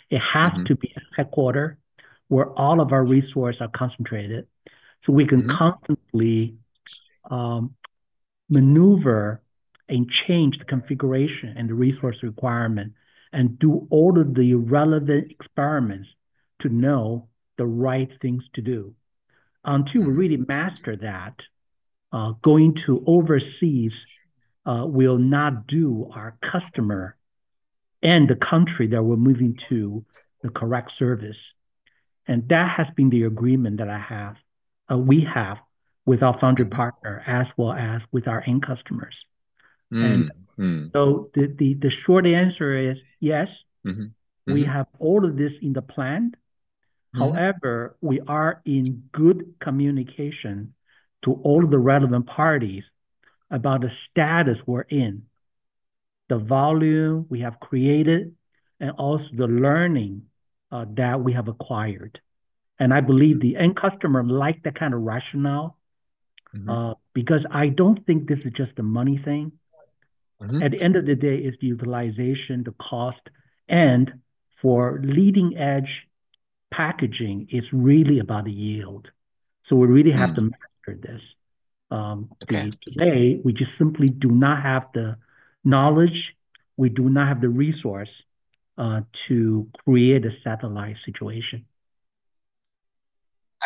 It has to be a headquarter where all of our resources are concentrated so we can constantly maneuver and change the configuration and the resource requirement and do all of the relevant experiments to know the right things to do. Until we really master that, going to overseas will not do our customer and the country that we're moving to the correct service. And that has been the agreement that we have with our foundry partner as well as with our end customers. And so the short answer is yes, we have all of this in the plan. However, we are in good communication to all of the relevant parties about the status we're in, the volume we have created, and also the learning that we have acquired. And I believe the end customer likes that kind of rationale because I don't think this is just a money thing. At the end of the day, it's the utilization, the cost. And for leading-edge packaging, it's really about the yield. So we really have to master this. Today, we just simply do not have the knowledge. We do not have the resource to create a satellite situation.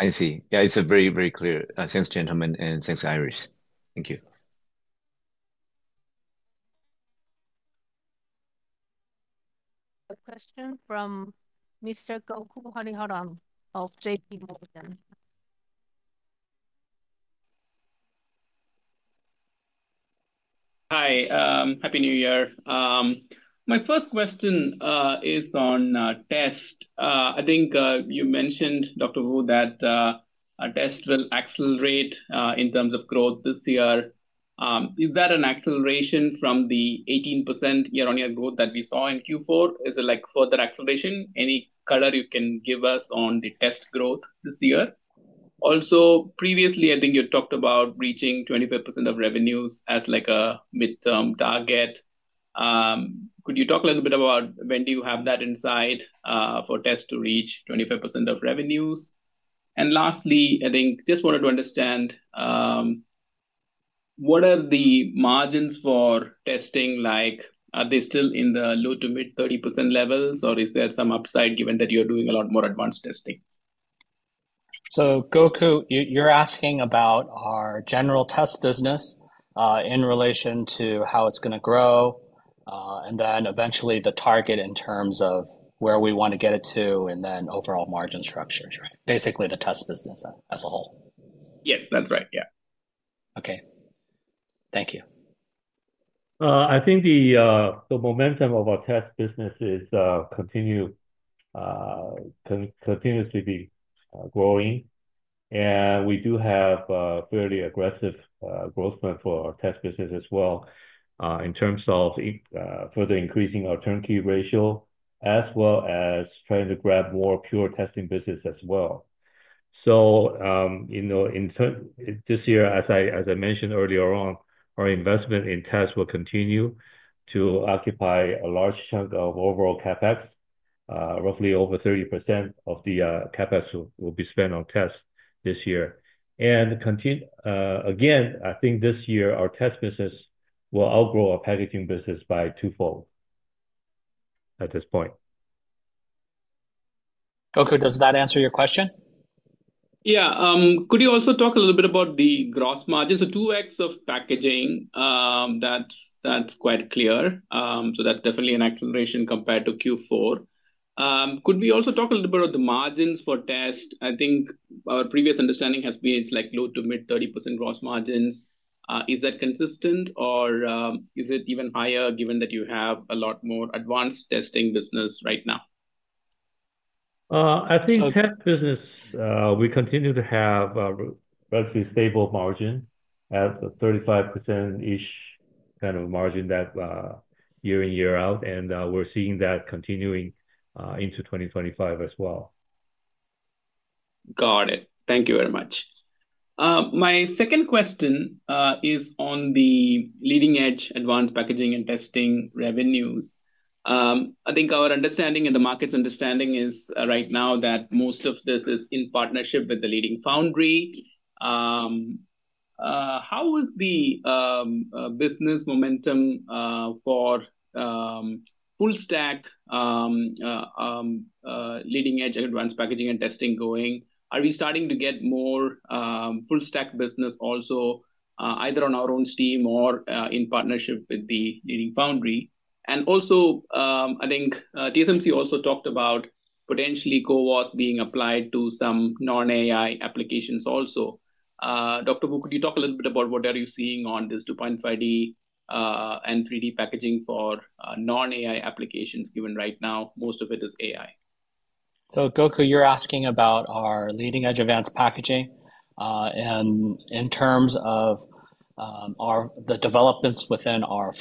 I see. Yeah. It's a very, very clear. Thanks, gentlemen, and thanks, Iris. Thank you. A question from Mr. Gokul Hariharan, hold on, of J.P. Morgan. Hi. Happy New Year. My first question is on test. I think you mentioned, Dr. Wu, that test will accelerate in terms of growth this year. Is that an acceleration from the 18% year-on-year growth that we saw in Q4? Is it like further acceleration? Any color you can give us on the test growth this year? Also, previously, I think you talked about reaching 25% of revenues as a midterm target. Could you talk a little bit about when do you have that insight for test to reach 25% of revenues? And lastly, I think just wanted to understand what are the margins for testing? Are they still in the low- to mid-30% levels, or is there some upside given that you're doing a lot more advanced testing? So Gokul, you're asking about our general test business in relation to how it's going to grow, and then eventually the target in terms of where we want to get it to, and then overall margin structure. Basically, the test business as a whole. Yes, that's right. Yeah. Okay. Thank you. I think the momentum of our test business is continuously growing. And we do have a fairly aggressive growth plan for our test business as well in terms of further increasing our turnkey ratio as well as trying to grab more pure testing business as well. So this year, as I mentioned earlier on, our investment in tests will continue to occupy a large chunk of overall CapEx. Roughly over 30% of the CapEx will be spent on tests this year. And again, I think this year, our test business will outgrow our packaging business by twofold at this point. Gokul, does that answer your question? Yeah. Could you also talk a little bit about the gross margin? So 2X of packaging, that's quite clear. So that's definitely an acceleration compared to Q4. Could we also talk a little bit about the margins for test? I think our previous understanding has been it's like low to mid 30% gross margins. Is that consistent, or is it even higher given that you have a lot more advanced testing business right now? I think test business, we continue to have a relatively stable margin at 35%-ish kind of margin year in, year out. And we're seeing that continuing into 2025 as well. Got it. Thank you very much. My second question is on the leading-edge advanced packaging and testing revenues. I think our understanding and the market's understanding is right now that most of this is in partnership with the leading foundry. How is the business momentum for full-stack leading-edge advanced packaging and testing going? Are we starting to get more full-stack business also either on our own steam or in partnership with the leading foundry? And also, I think TSMC also talked about potentially CoWoS being applied to some non-AI applications also. Dr. Wu, could you talk a little bit about what are you seeing on this 2.5D and 3D packaging for non-AI applications given right now most of it is AI? So Gokul, you're asking about our leading-edge advanced packaging in terms of the developments within our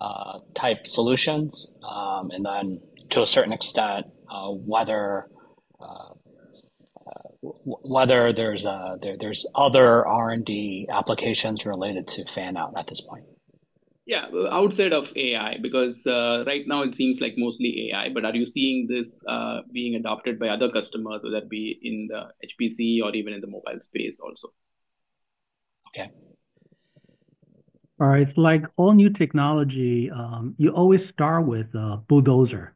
FOCoS-type solutions, and then to a certain extent, whether there's other R&D applications related to fan-out at this point. Yeah, outside of AI, because right now it seems like mostly AI, but are you seeing this being adopted by other customers, whether it be in the HPC or even in the mobile space also? Okay. All right. Like all new technology, you always start with a bulldozer,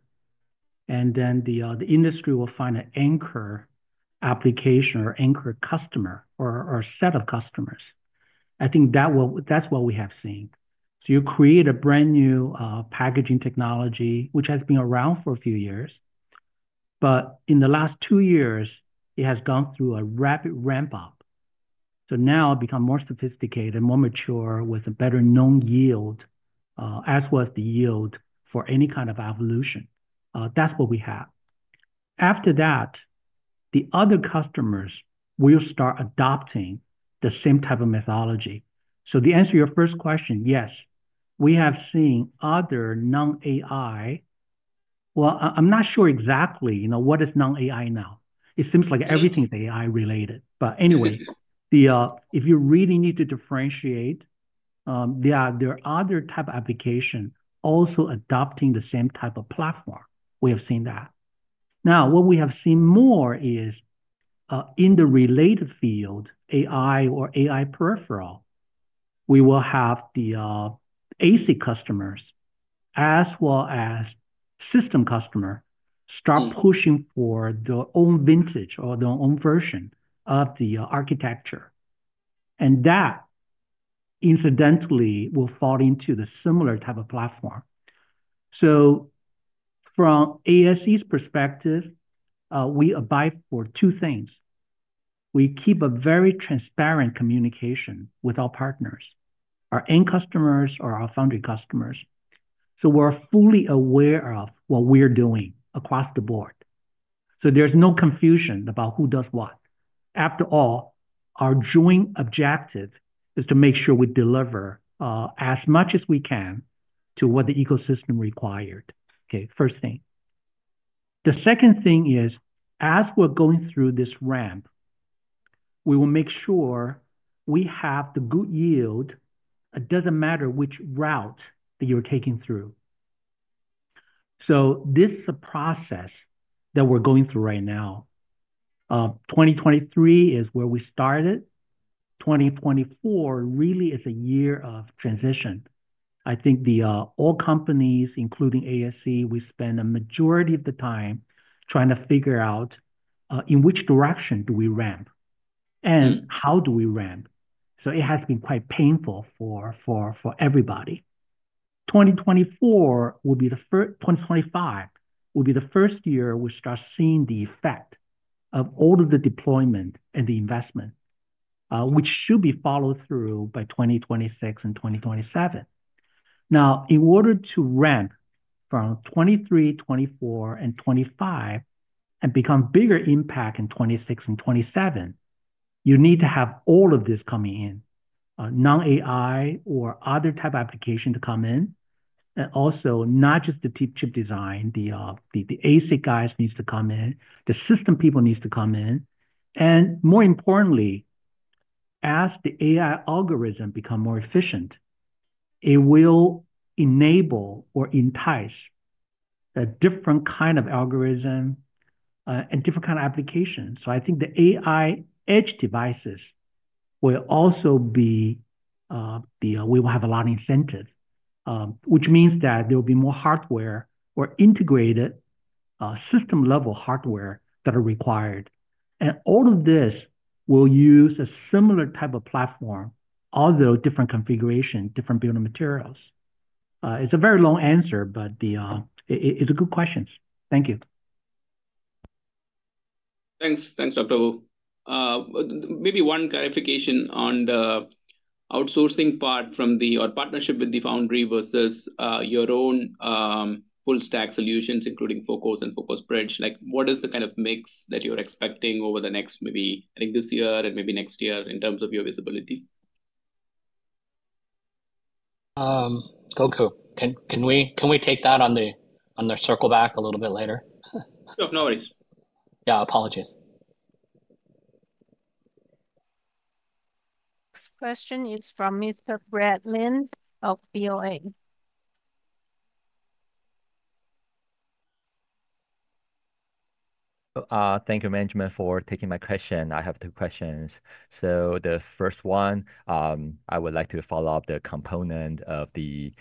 and then the industry will find an anchor application or anchor customer or set of customers. I think that's what we have seen. So you create a brand new packaging technology, which has been around for a few years. But in the last two years, it has gone through a rapid ramp-up. So now it becomes more sophisticated, more mature with a better known yield, as well as the yield for any kind of evolution. That's what we have. After that, the other customers will start adopting the same type of methodology. So, to answer your first question, yes, we have seen other non-AI. Well, I'm not sure exactly what is non-AI now. It seems like everything is AI-related. But anyway, if you really need to differentiate, there are other types of applications also adopting the same type of platform. We have seen that. Now, what we have seen more is in the related field, AI or AI peripheral. We will have the ASIC customers as well as system customers start pushing for their own vintage or their own version of the architecture. And that, incidentally, will fall into the similar type of platform. So from ASE's perspective, we abide by two things. We keep a very transparent communication with our partners, our end customers, or our foundry customers. So we're fully aware of what we're doing across the board. So there's no confusion about who does what. After all, our joint objective is to make sure we deliver as much as we can to what the ecosystem required. Okay, first thing. The second thing is, as we're going through this ramp, we will make sure we have the good yield. It doesn't matter which route that you're taking through. So this is a process that we're going through right now. 2023 is where we started. 2024 really is a year of transition. I think all companies, including ASE, we spend a majority of the time trying to figure out in which direction do we ramp and how do we ramp. So it has been quite painful for everybody. 2024 will be the first. 2025 will be the first year we start seeing the effect of all of the deployment and the investment, which should be followed through by 2026 and 2027. Now, in order to ramp from 2023, 2024, and 2025 and become bigger impact in 2026 and 2027, you need to have all of this coming in, non-AI or other type of application to come in. And also, not just the deep chip design, the ASIC guys need to come in. The system people need to come in. And more importantly, as the AI algorithm becomes more efficient, it will enable or entice a different kind of algorithm and different kind of applications. So I think the AI edge devices will also be we will have a lot of incentives, which means that there will be more hardware or integrated system-level hardware that are required. And all of this will use a similar type of platform, although different configuration, different building materials. It's a very long answer, but it's a good question. Thank you. Thanks, Dr. Wu. Maybe one clarification on the outsourcing part from the partnership with the foundry versus your own full-stack solutions, including FOCoS and FOCoS-Bridge. What is the kind of mix that you're expecting over the next maybe, I think, this year and maybe next year in terms of your visibility? Gokul, can we take that on the circle back a little bit later? Sure. No worries. Yeah, apologies. Next question is from Mr. Brad Lin of BofA. Thank you, Management, for taking my question. I have two questions. So the first one, I would like to follow up the component of the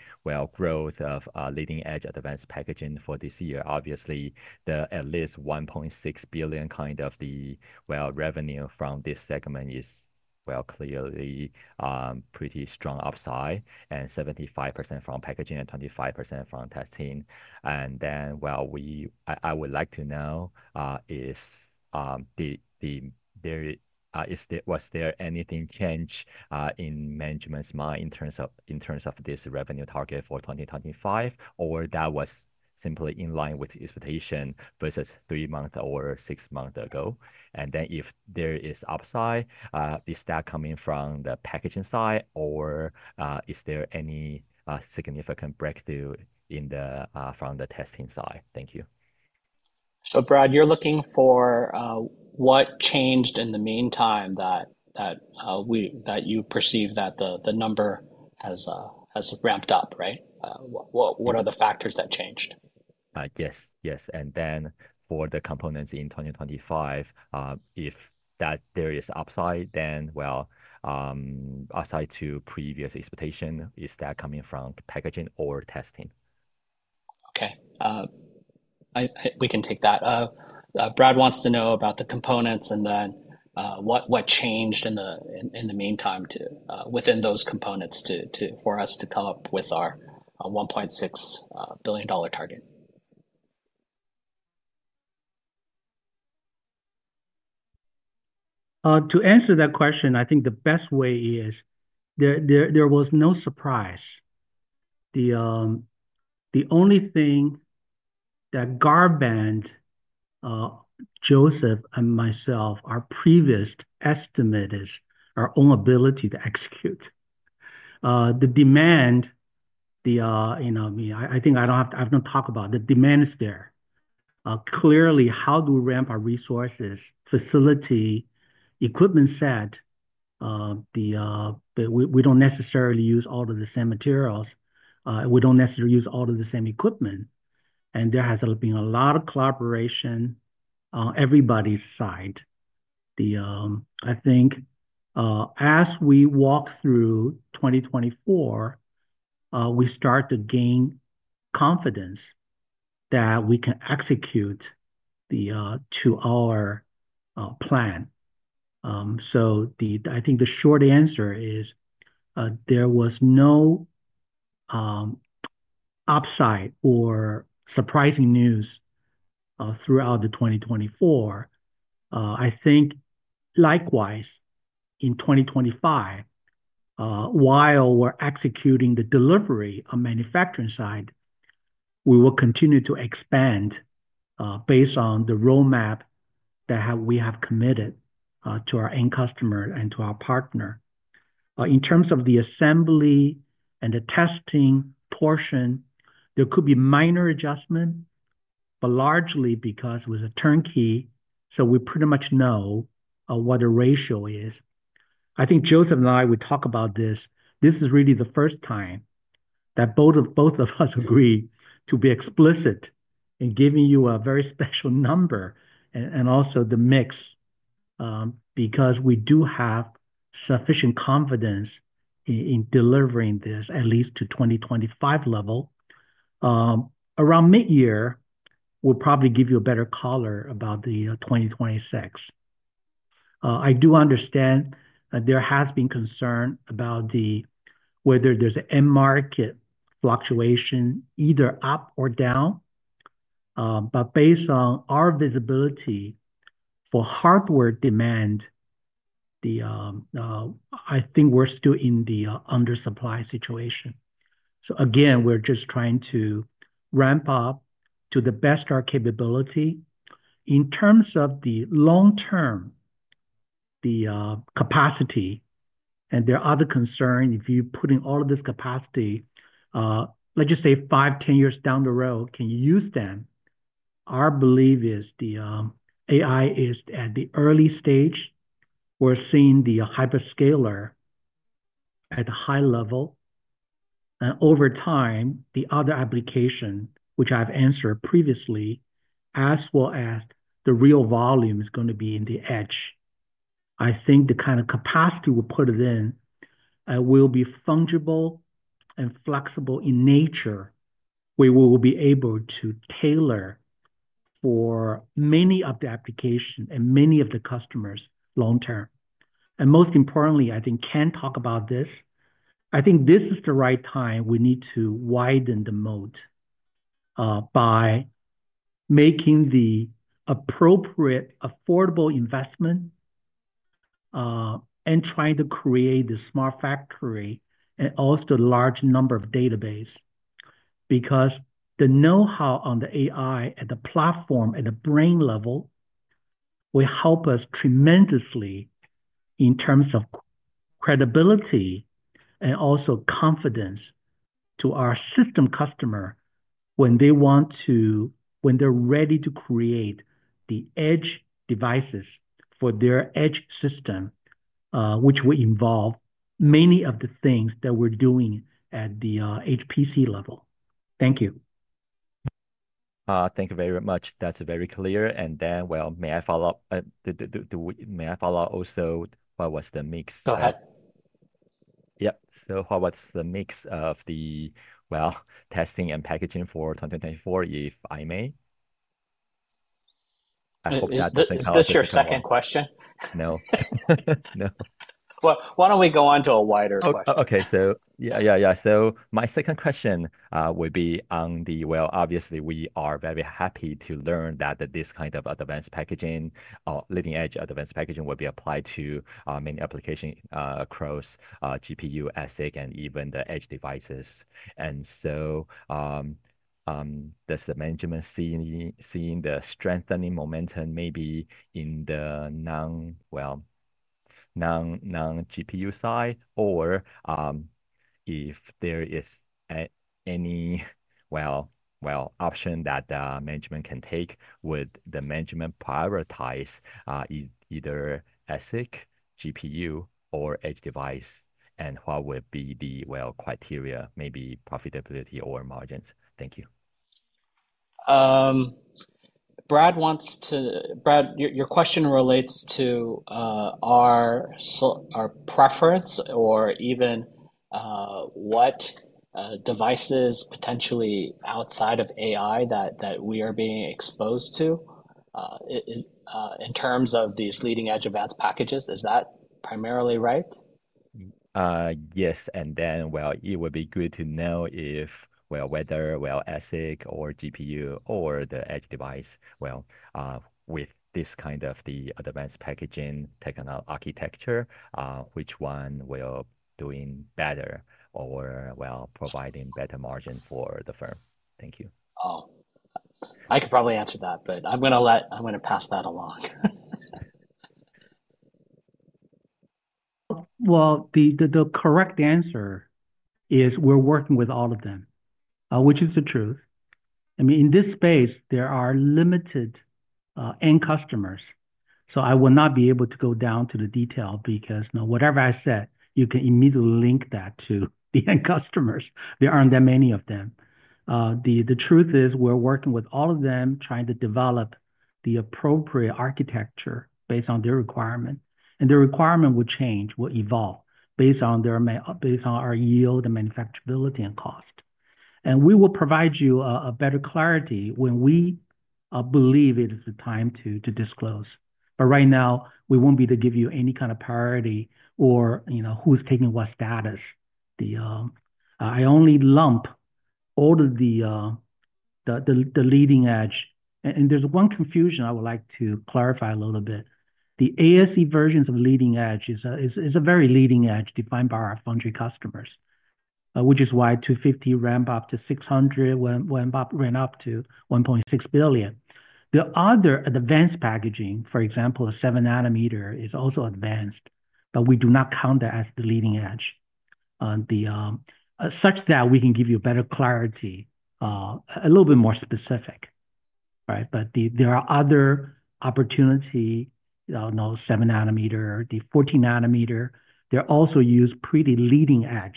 growth of leading-edge advanced packaging for this year. Obviously, the at least $1.6 billion kind of the revenue from this segment is clearly pretty strong upside and 75% from packaging and 25% from testing. And then what I would like to know is, was there anything changed in management's mind in terms of this revenue target for 2025, or that was simply in line with expectation versus three months or six months ago? And then if there is upside, is that coming from the packaging side, or is there any significant breakthrough from the testing side? Thank you. So Brad, you're looking for what changed in the meantime that you perceive that the number has ramped up, right? What are the factors that changed? Yes, yes. And then for the components in 2025, if there is upside, then well, upside to previous expectation, is that coming from packaging or testing? Okay. We can take that. Brad wants to know about the components and then what changed in the meantime within those components for us to come up with our $1.6 billion target. To answer that question, I think the best way is there was no surprise. The only thing that governed Joseph, and myself, our previous estimate is our own ability to execute. The demand, I mean, I think I don't have to talk about the demand is there. Clearly, how do we ramp our resources, facility, equipment set? We don't necessarily use all of the same materials. We don't necessarily use all of the same equipment. And there has been a lot of collaboration on everybody's side. I think as we walk through 2024, we start to gain confidence that we can execute to our plan. So I think the short answer is there was no upside or surprising news throughout 2024. I think likewise, in 2025, while we're executing the delivery on manufacturing side, we will continue to expand based on the roadmap that we have committed to our end customer and to our partner. In terms of the assembly and the testing portion, there could be minor adjustment, but largely because it was a turnkey. So we pretty much know what the ratio is. I think Joseph and I, we talk about this. This is really the first time that both of us agree to be explicit in giving you a very special number and also the mix because we do have sufficient confidence in delivering this at least to 2025 level. Around mid-year, we'll probably give you a better color about the 2026. I do understand there has been concern about whether there's an end market fluctuation, either up or down. But based on our visibility for hardware demand, I think we're still in the undersupply situation. So again, we're just trying to ramp up to the best of our capability. In terms of the long-term, the capacity, and there are other concerns. If you're putting all of this capacity, let's just say five, 10 years down the road, can you use them? Our belief is the AI is at the early stage. We're seeing the hyperscaler at a high level. And over time, the other application, which I've answered previously, as well as the real volume is going to be in the edge. I think the kind of capacity we put it in will be fungible and flexible in nature. We will be able to tailor for many of the applications and many of the customers long-term. And most importantly, I think can talk about this. I think this is the right time. We need to widen the moat by making the appropriate, affordable investment and trying to create the smart factory and also a large number of databases because the know-how on the AI at the platform at the brain level will help us tremendously in terms of credibility and also confidence to our system customer when they want to, when they're ready to create the edge devices for their edge system, which will involve many of the things that we're doing at the HPC level. Thank you. Thank you very much. That's very clear. And then, well, may I follow up? May I follow up also what was the mix? Go ahead. Yep. So what was the mix of the, well, testing and packaging for 2024, if I may? I hope that doesn't cause anything. Is this your second question? No. No. Well, why don't we go on to a wider question? Okay. So yeah, yeah, yeah. So my second question would be on the, well, obviously, we are very happy to learn that this kind of advanced packaging or leading-edge advanced packaging will be applied to many applications across GPU, ASIC, and even the edge devices. And so does the management see the strengthening momentum maybe in the non, well, non-GPU side? Or if there is any, well, option that management can take, would the management prioritize either ASIC, GPU, or edge device? And what would be the, well, criteria, maybe profitability or margins? Thank you. Brad, your question relates to our preference or even what devices potentially outside of AI that we are being exposed to in terms of these leading-edge advanced packages. Is that primarily right? Yes. It would be good to know whether ASIC or GPU or the edge device with this kind of the advanced packaging architecture which one we are doing better or providing better margin for the firm. Thank you. I could probably answer that, but I'm going to pass that along. The correct answer is we're working with all of them, which is the truth. I mean, in this space, there are limited end customers. So I will not be able to go down to the detail because whatever I said, you can immediately link that to the end customers. There aren't that many of them. The truth is we're working with all of them trying to develop the appropriate architecture based on their requirement. Their requirement will change, will evolve based on our yield and manufacturability and cost. We will provide you better clarity when we believe it is the time to disclose. Right now, we won't be able to give you any kind of priority or who's taking what status. I only lump all of the leading edge. There's one confusion I would like to clarify a little bit. The ASE versions of leading edge is a very leading edge defined by our foundry customers, which is why 250 ramped up to 600 when bar went up to 1.6 billion. The other advanced packaging, for example, a 7nm is also advanced, but we do not count that as the leading edge such that we can give you better clarity, a little bit more specific, right? There are other opportunities, 7nm, the 14nm. They're also used pretty leading edge,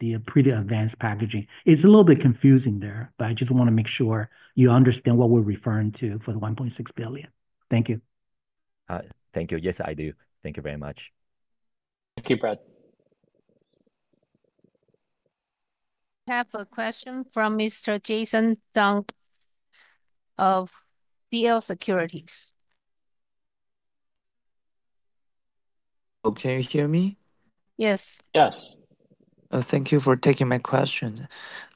the pretty advanced packaging. It's a little bit confusing there, but I just want to make sure you understand what we're referring to for the 1.6 billion. Thank you. Thank you. Yes, I do. Thank you very much. Thank you, Brad. We have a question from Mr. Jason Zhang of CLSA. Oh, can you hear me? Yes. Yes. Thank you for taking my question.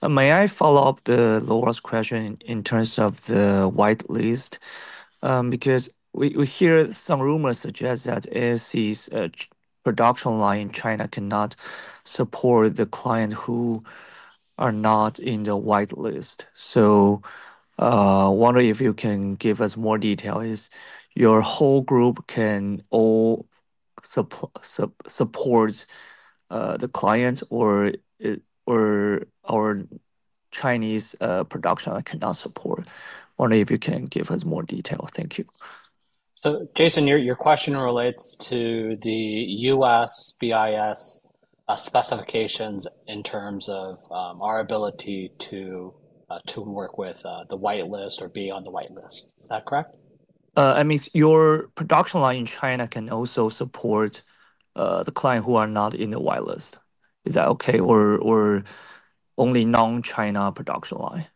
May I follow up the latter's question in terms of the whitelist? Because we hear some rumors suggest that ASE's production line in China cannot support the clients who are not in the whitelist. So I wonder if you can give us more detail. Is your whole group can all support the clients or our Chinese production cannot support? Thank you. So Jason, your question relates to the U.S. BIS specifications in terms of our ability to work with the whitelist or be on the whitelist. Is that correct? I mean, your production line in China can also support the client who are not in the whitelist. Is that okay? Or only non-China production line?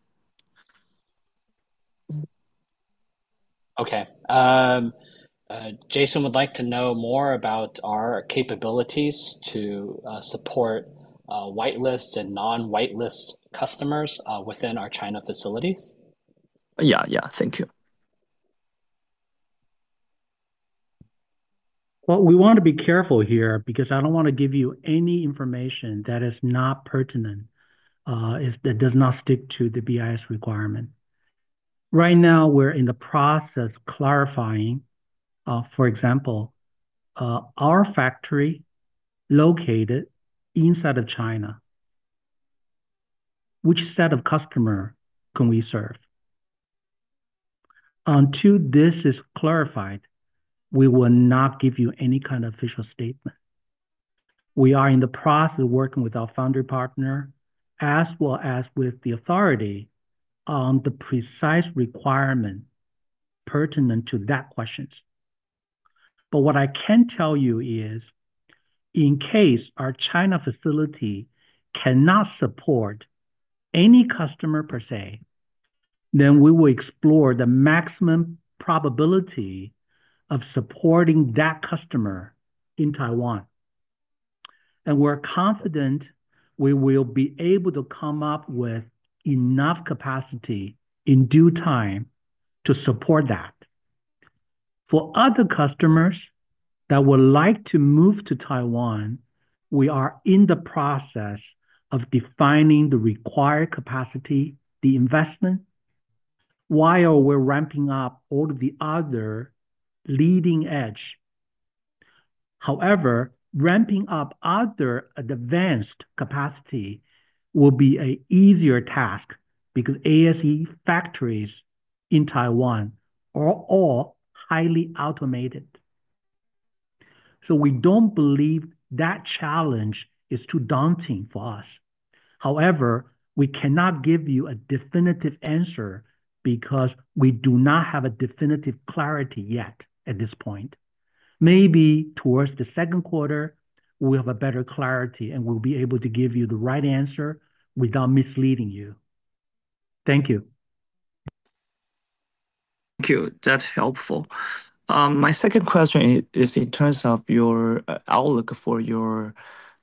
Okay. Jason would like to know more about our capabilities to support whitelists and non-whitelist customers within our China facilities. Yeah, yeah. Thank you. We want to be careful here because I don't want to give you any information that is not pertinent, that does not stick to the BIS requirement. Right now, we're in the process of clarifying, for example, our factory located inside of China, which set of customers can we serve? Until this is clarified, we will not give you any kind of official statement. We are in the process of working with our foundry partner, as well as with the authority on the precise requirement pertinent to that question. But what I can tell you is, in case our China facility cannot support any customer per se, then we will explore the maximum probability of supporting that customer in Taiwan. And we're confident we will be able to come up with enough capacity in due time to support that. For other customers that would like to move to Taiwan, we are in the process of defining the required capacity, the investment, while we're ramping up all of the other leading edge. However, ramping up other advanced capacity will be an easier task because ASE factories in Taiwan are all highly automated. So we don't believe that challenge is too daunting for us. However, we cannot give you a definitive answer because we do not have a definitive clarity yet at this point. Maybe towards the second quarter, we'll have a better clarity, and we'll be able to give you the right answer without misleading you. Thank you. Thank you. That's helpful. My second question is in terms of your outlook for your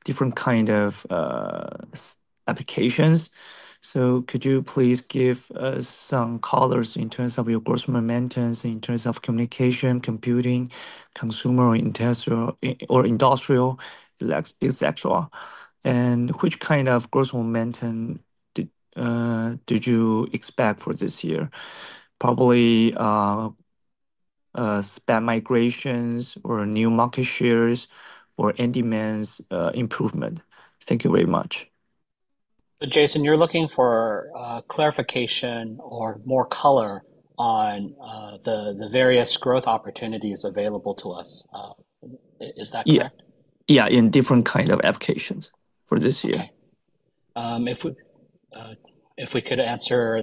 different kind of applications. So could you please give us some color in terms of your growth momentum in terms of communication, computing, consumer, or industrial, etc.? And which kind of growth momentum did you expect for this year? Probably SiP migrations or new market shares or end-demand improvement. Thank you very much. So Jason, you're looking for clarification or more color on the various growth opportunities available to us. Is that correct? Yeah, in different kinds of applications for this year. If we could answer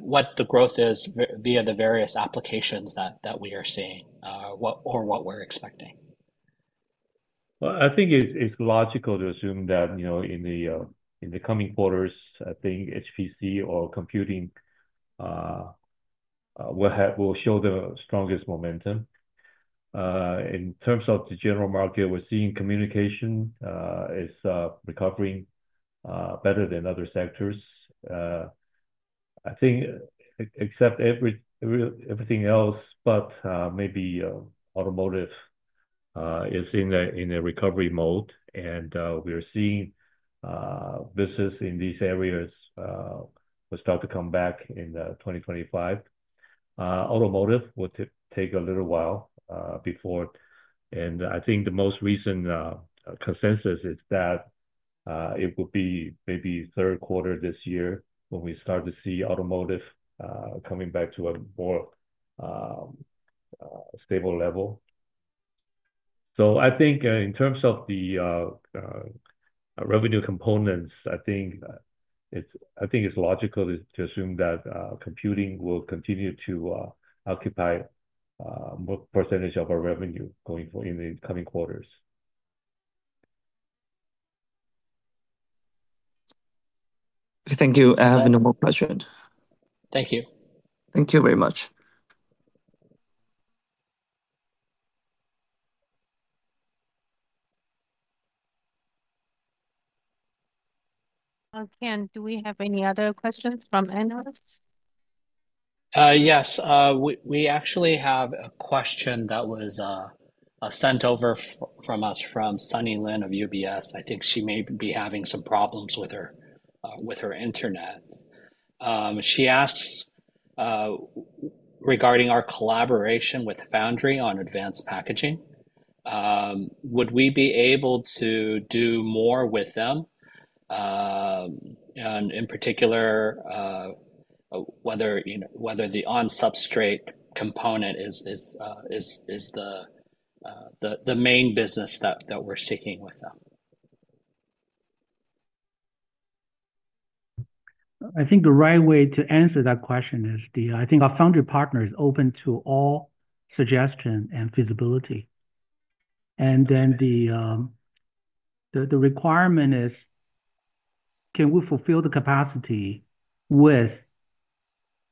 what the growth is via the various applications that we are seeing or what we're expecting. I think it's logical to assume that in the coming quarters, I think HPC or computing will show the strongest momentum. In terms of the general market, we're seeing communication is recovering better than other sectors. I think, except everything else, but maybe automotive is in a recovery mode. We're seeing business in these areas will start to come back in 2025. Automotive will take a little while before. I think the most recent consensus is that it will be maybe third quarter this year when we start to see automotive coming back to a more stable level. I think in terms of the revenue components, I think it's logical to assume that computing will continue to occupy a percentage of our revenue going forward in the coming quarters. Thank you. I have no more questions. Thank you. Thank you very much. Ken, do we have any other questions from analysts? Yes. We actually have a question that was sent over from us from Sunny Lin of UBS. I think she may be having some problems with her internet. She asks regarding our collaboration with foundry on advanced packaging. Would we be able to do more with them? And in particular, whether the on-substrate component is the main business that we're seeking with them. I think the right way to answer that question is I think our foundry partner is open to all suggestions and feasibility. And then the requirement is, can we fulfill the capacity with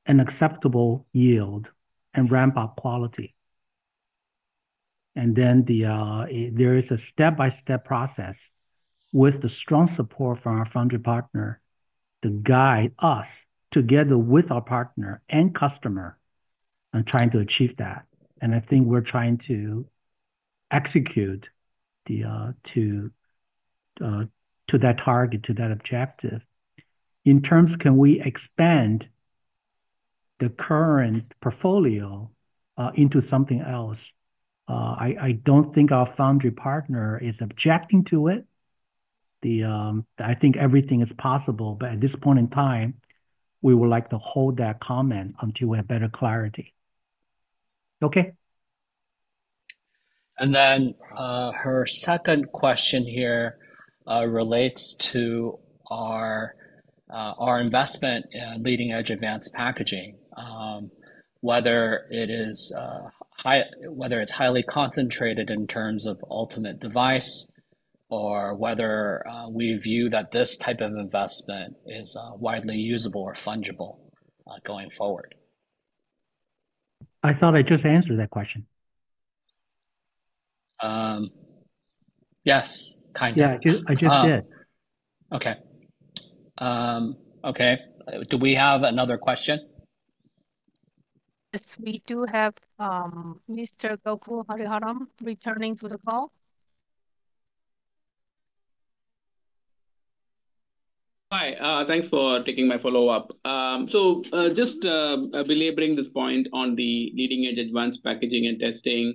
an acceptable yield and ramp-up quality? And then there is a step-by-step process with the strong support from our foundry partner to guide us together with our partner and customer in trying to achieve that. And I think we're trying to execute to that target, to that objective. In terms of can we expand the current portfolio into something else, I don't think our foundry partner is objecting to it. I think everything is possible. But at this point in time, we would like to hold that comment until we have better clarity. Okay. And then her second question here relates to our investment in leading-edge advanced packaging, whether it is highly concentrated in terms of ultimate device or whether we view that this type of investment is widely usable or fungible going forward. I thought I just answered that question. Yes, kind of. Yeah, I just did. Okay. Okay. Do we have another question? Yes, we do have Mr. Gokul Hariharan returning to the call. Hi. Thanks for taking my follow-up. So just belaboring this point on the leading-edge advanced packaging and testing,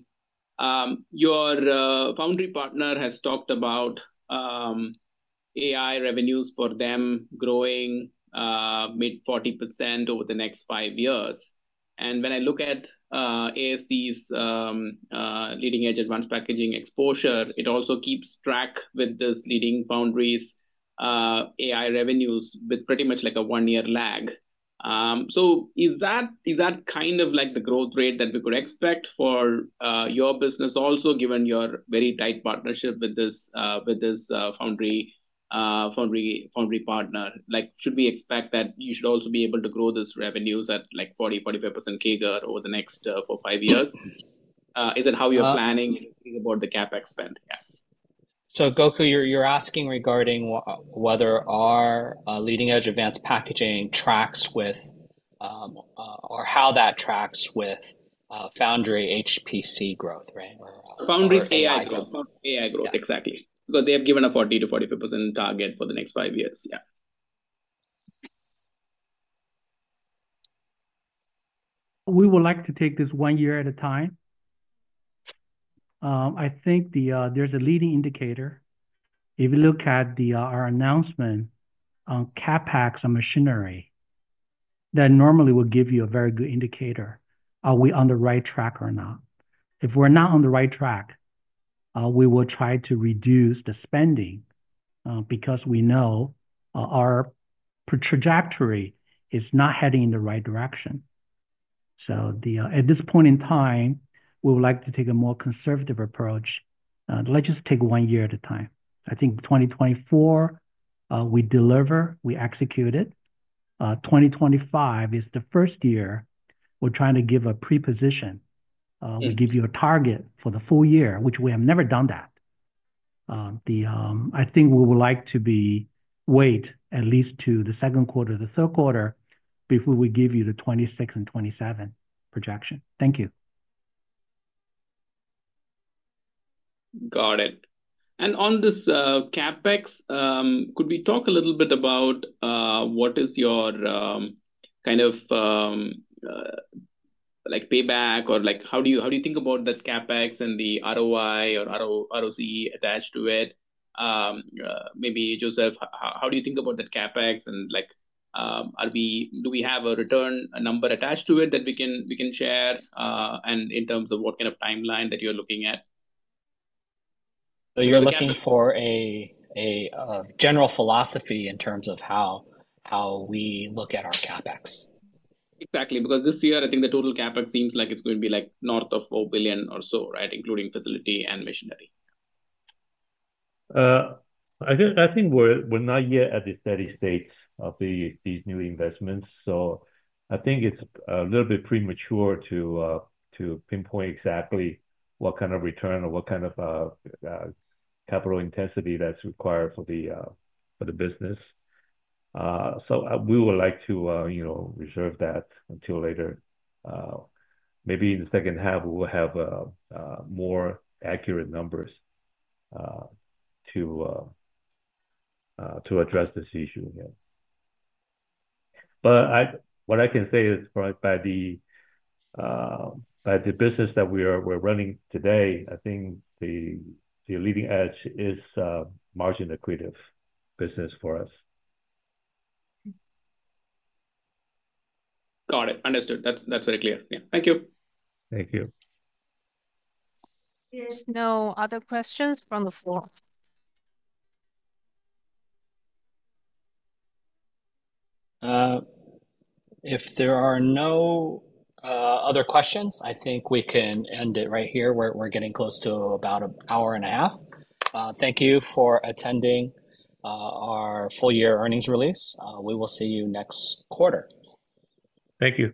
your foundry partner has talked about AI revenues for them growing mid-40% over the next five years. And when I look at ASE's leading-edge advanced packaging exposure, it also keeps track with these leading foundries' AI revenues with pretty much like a one-year lag. So is that kind of like the growth rate that we could expect for your business also, given your very tight partnership with this foundry partner? Should we expect that you should also be able to grow these revenues at like 40%-45% CAGR over the next four, five years? Is that how you're planning about the CapEx? Yeah. So Gokul, you're asking regarding whether our leading-edge advanced packaging tracks with or how that tracks with foundry HPC growth, right? Foundry's AI growth., exactly. Because they have given a 40%-45% target for the next five years. Yeah. We would like to take this one year at a time. I think there's a leading indicator. If you look at our announcement on CapEx on machinery, that normally will give you a very good indicator, are we on the right track or not. If we're not on the right track, we will try to reduce the spending because we know our trajectory is not heading in the right direction. So at this point in time, we would like to take a more conservative approach. Let's just take one year at a time. I think 2024, we deliver, we execute it. 2025 is the first year we're trying to give a projection. We give you a target for the full year, which we have never done that. I think we would like to wait at least to the second quarter, the third quarter before we give you the 2026 and 2027 projection. Thank you. Got it. And on this CapEx, could we talk a little bit about what is your kind of payback or how do you think about that CapEx and the ROI or ROC attached to it? Maybe Joseph, how do you think about that CapEx? And do we have a return number attached to it that we can share in terms of what kind of timeline that you're looking at? So you're looking for a general philosophy in terms of how we look at our CapEx. Exactly. Because this year, I think the total CapEx seems like it's going to be north of 4 billion or so, right, including facility and machinery. I think we're not yet at the steady state of these new investments. So I think it's a little bit premature to pinpoint exactly what kind of return or what kind of capital intensity that's required for the business. So we would like to reserve that until later. Maybe in the second half, we will have more accurate numbers to address this issue. But what I can say is by the business that we're running today, I think the leading-edge is margin-accretive business for us. Got it. Understood. That's very clear. Yeah. Thank you. Thank you. There's no other questions from the floor. If there are no other questions, I think we can end it right here. We're getting close to about an hour and a half. Thank you for attending our full-year earnings release. We will see you next quarter. Thank you.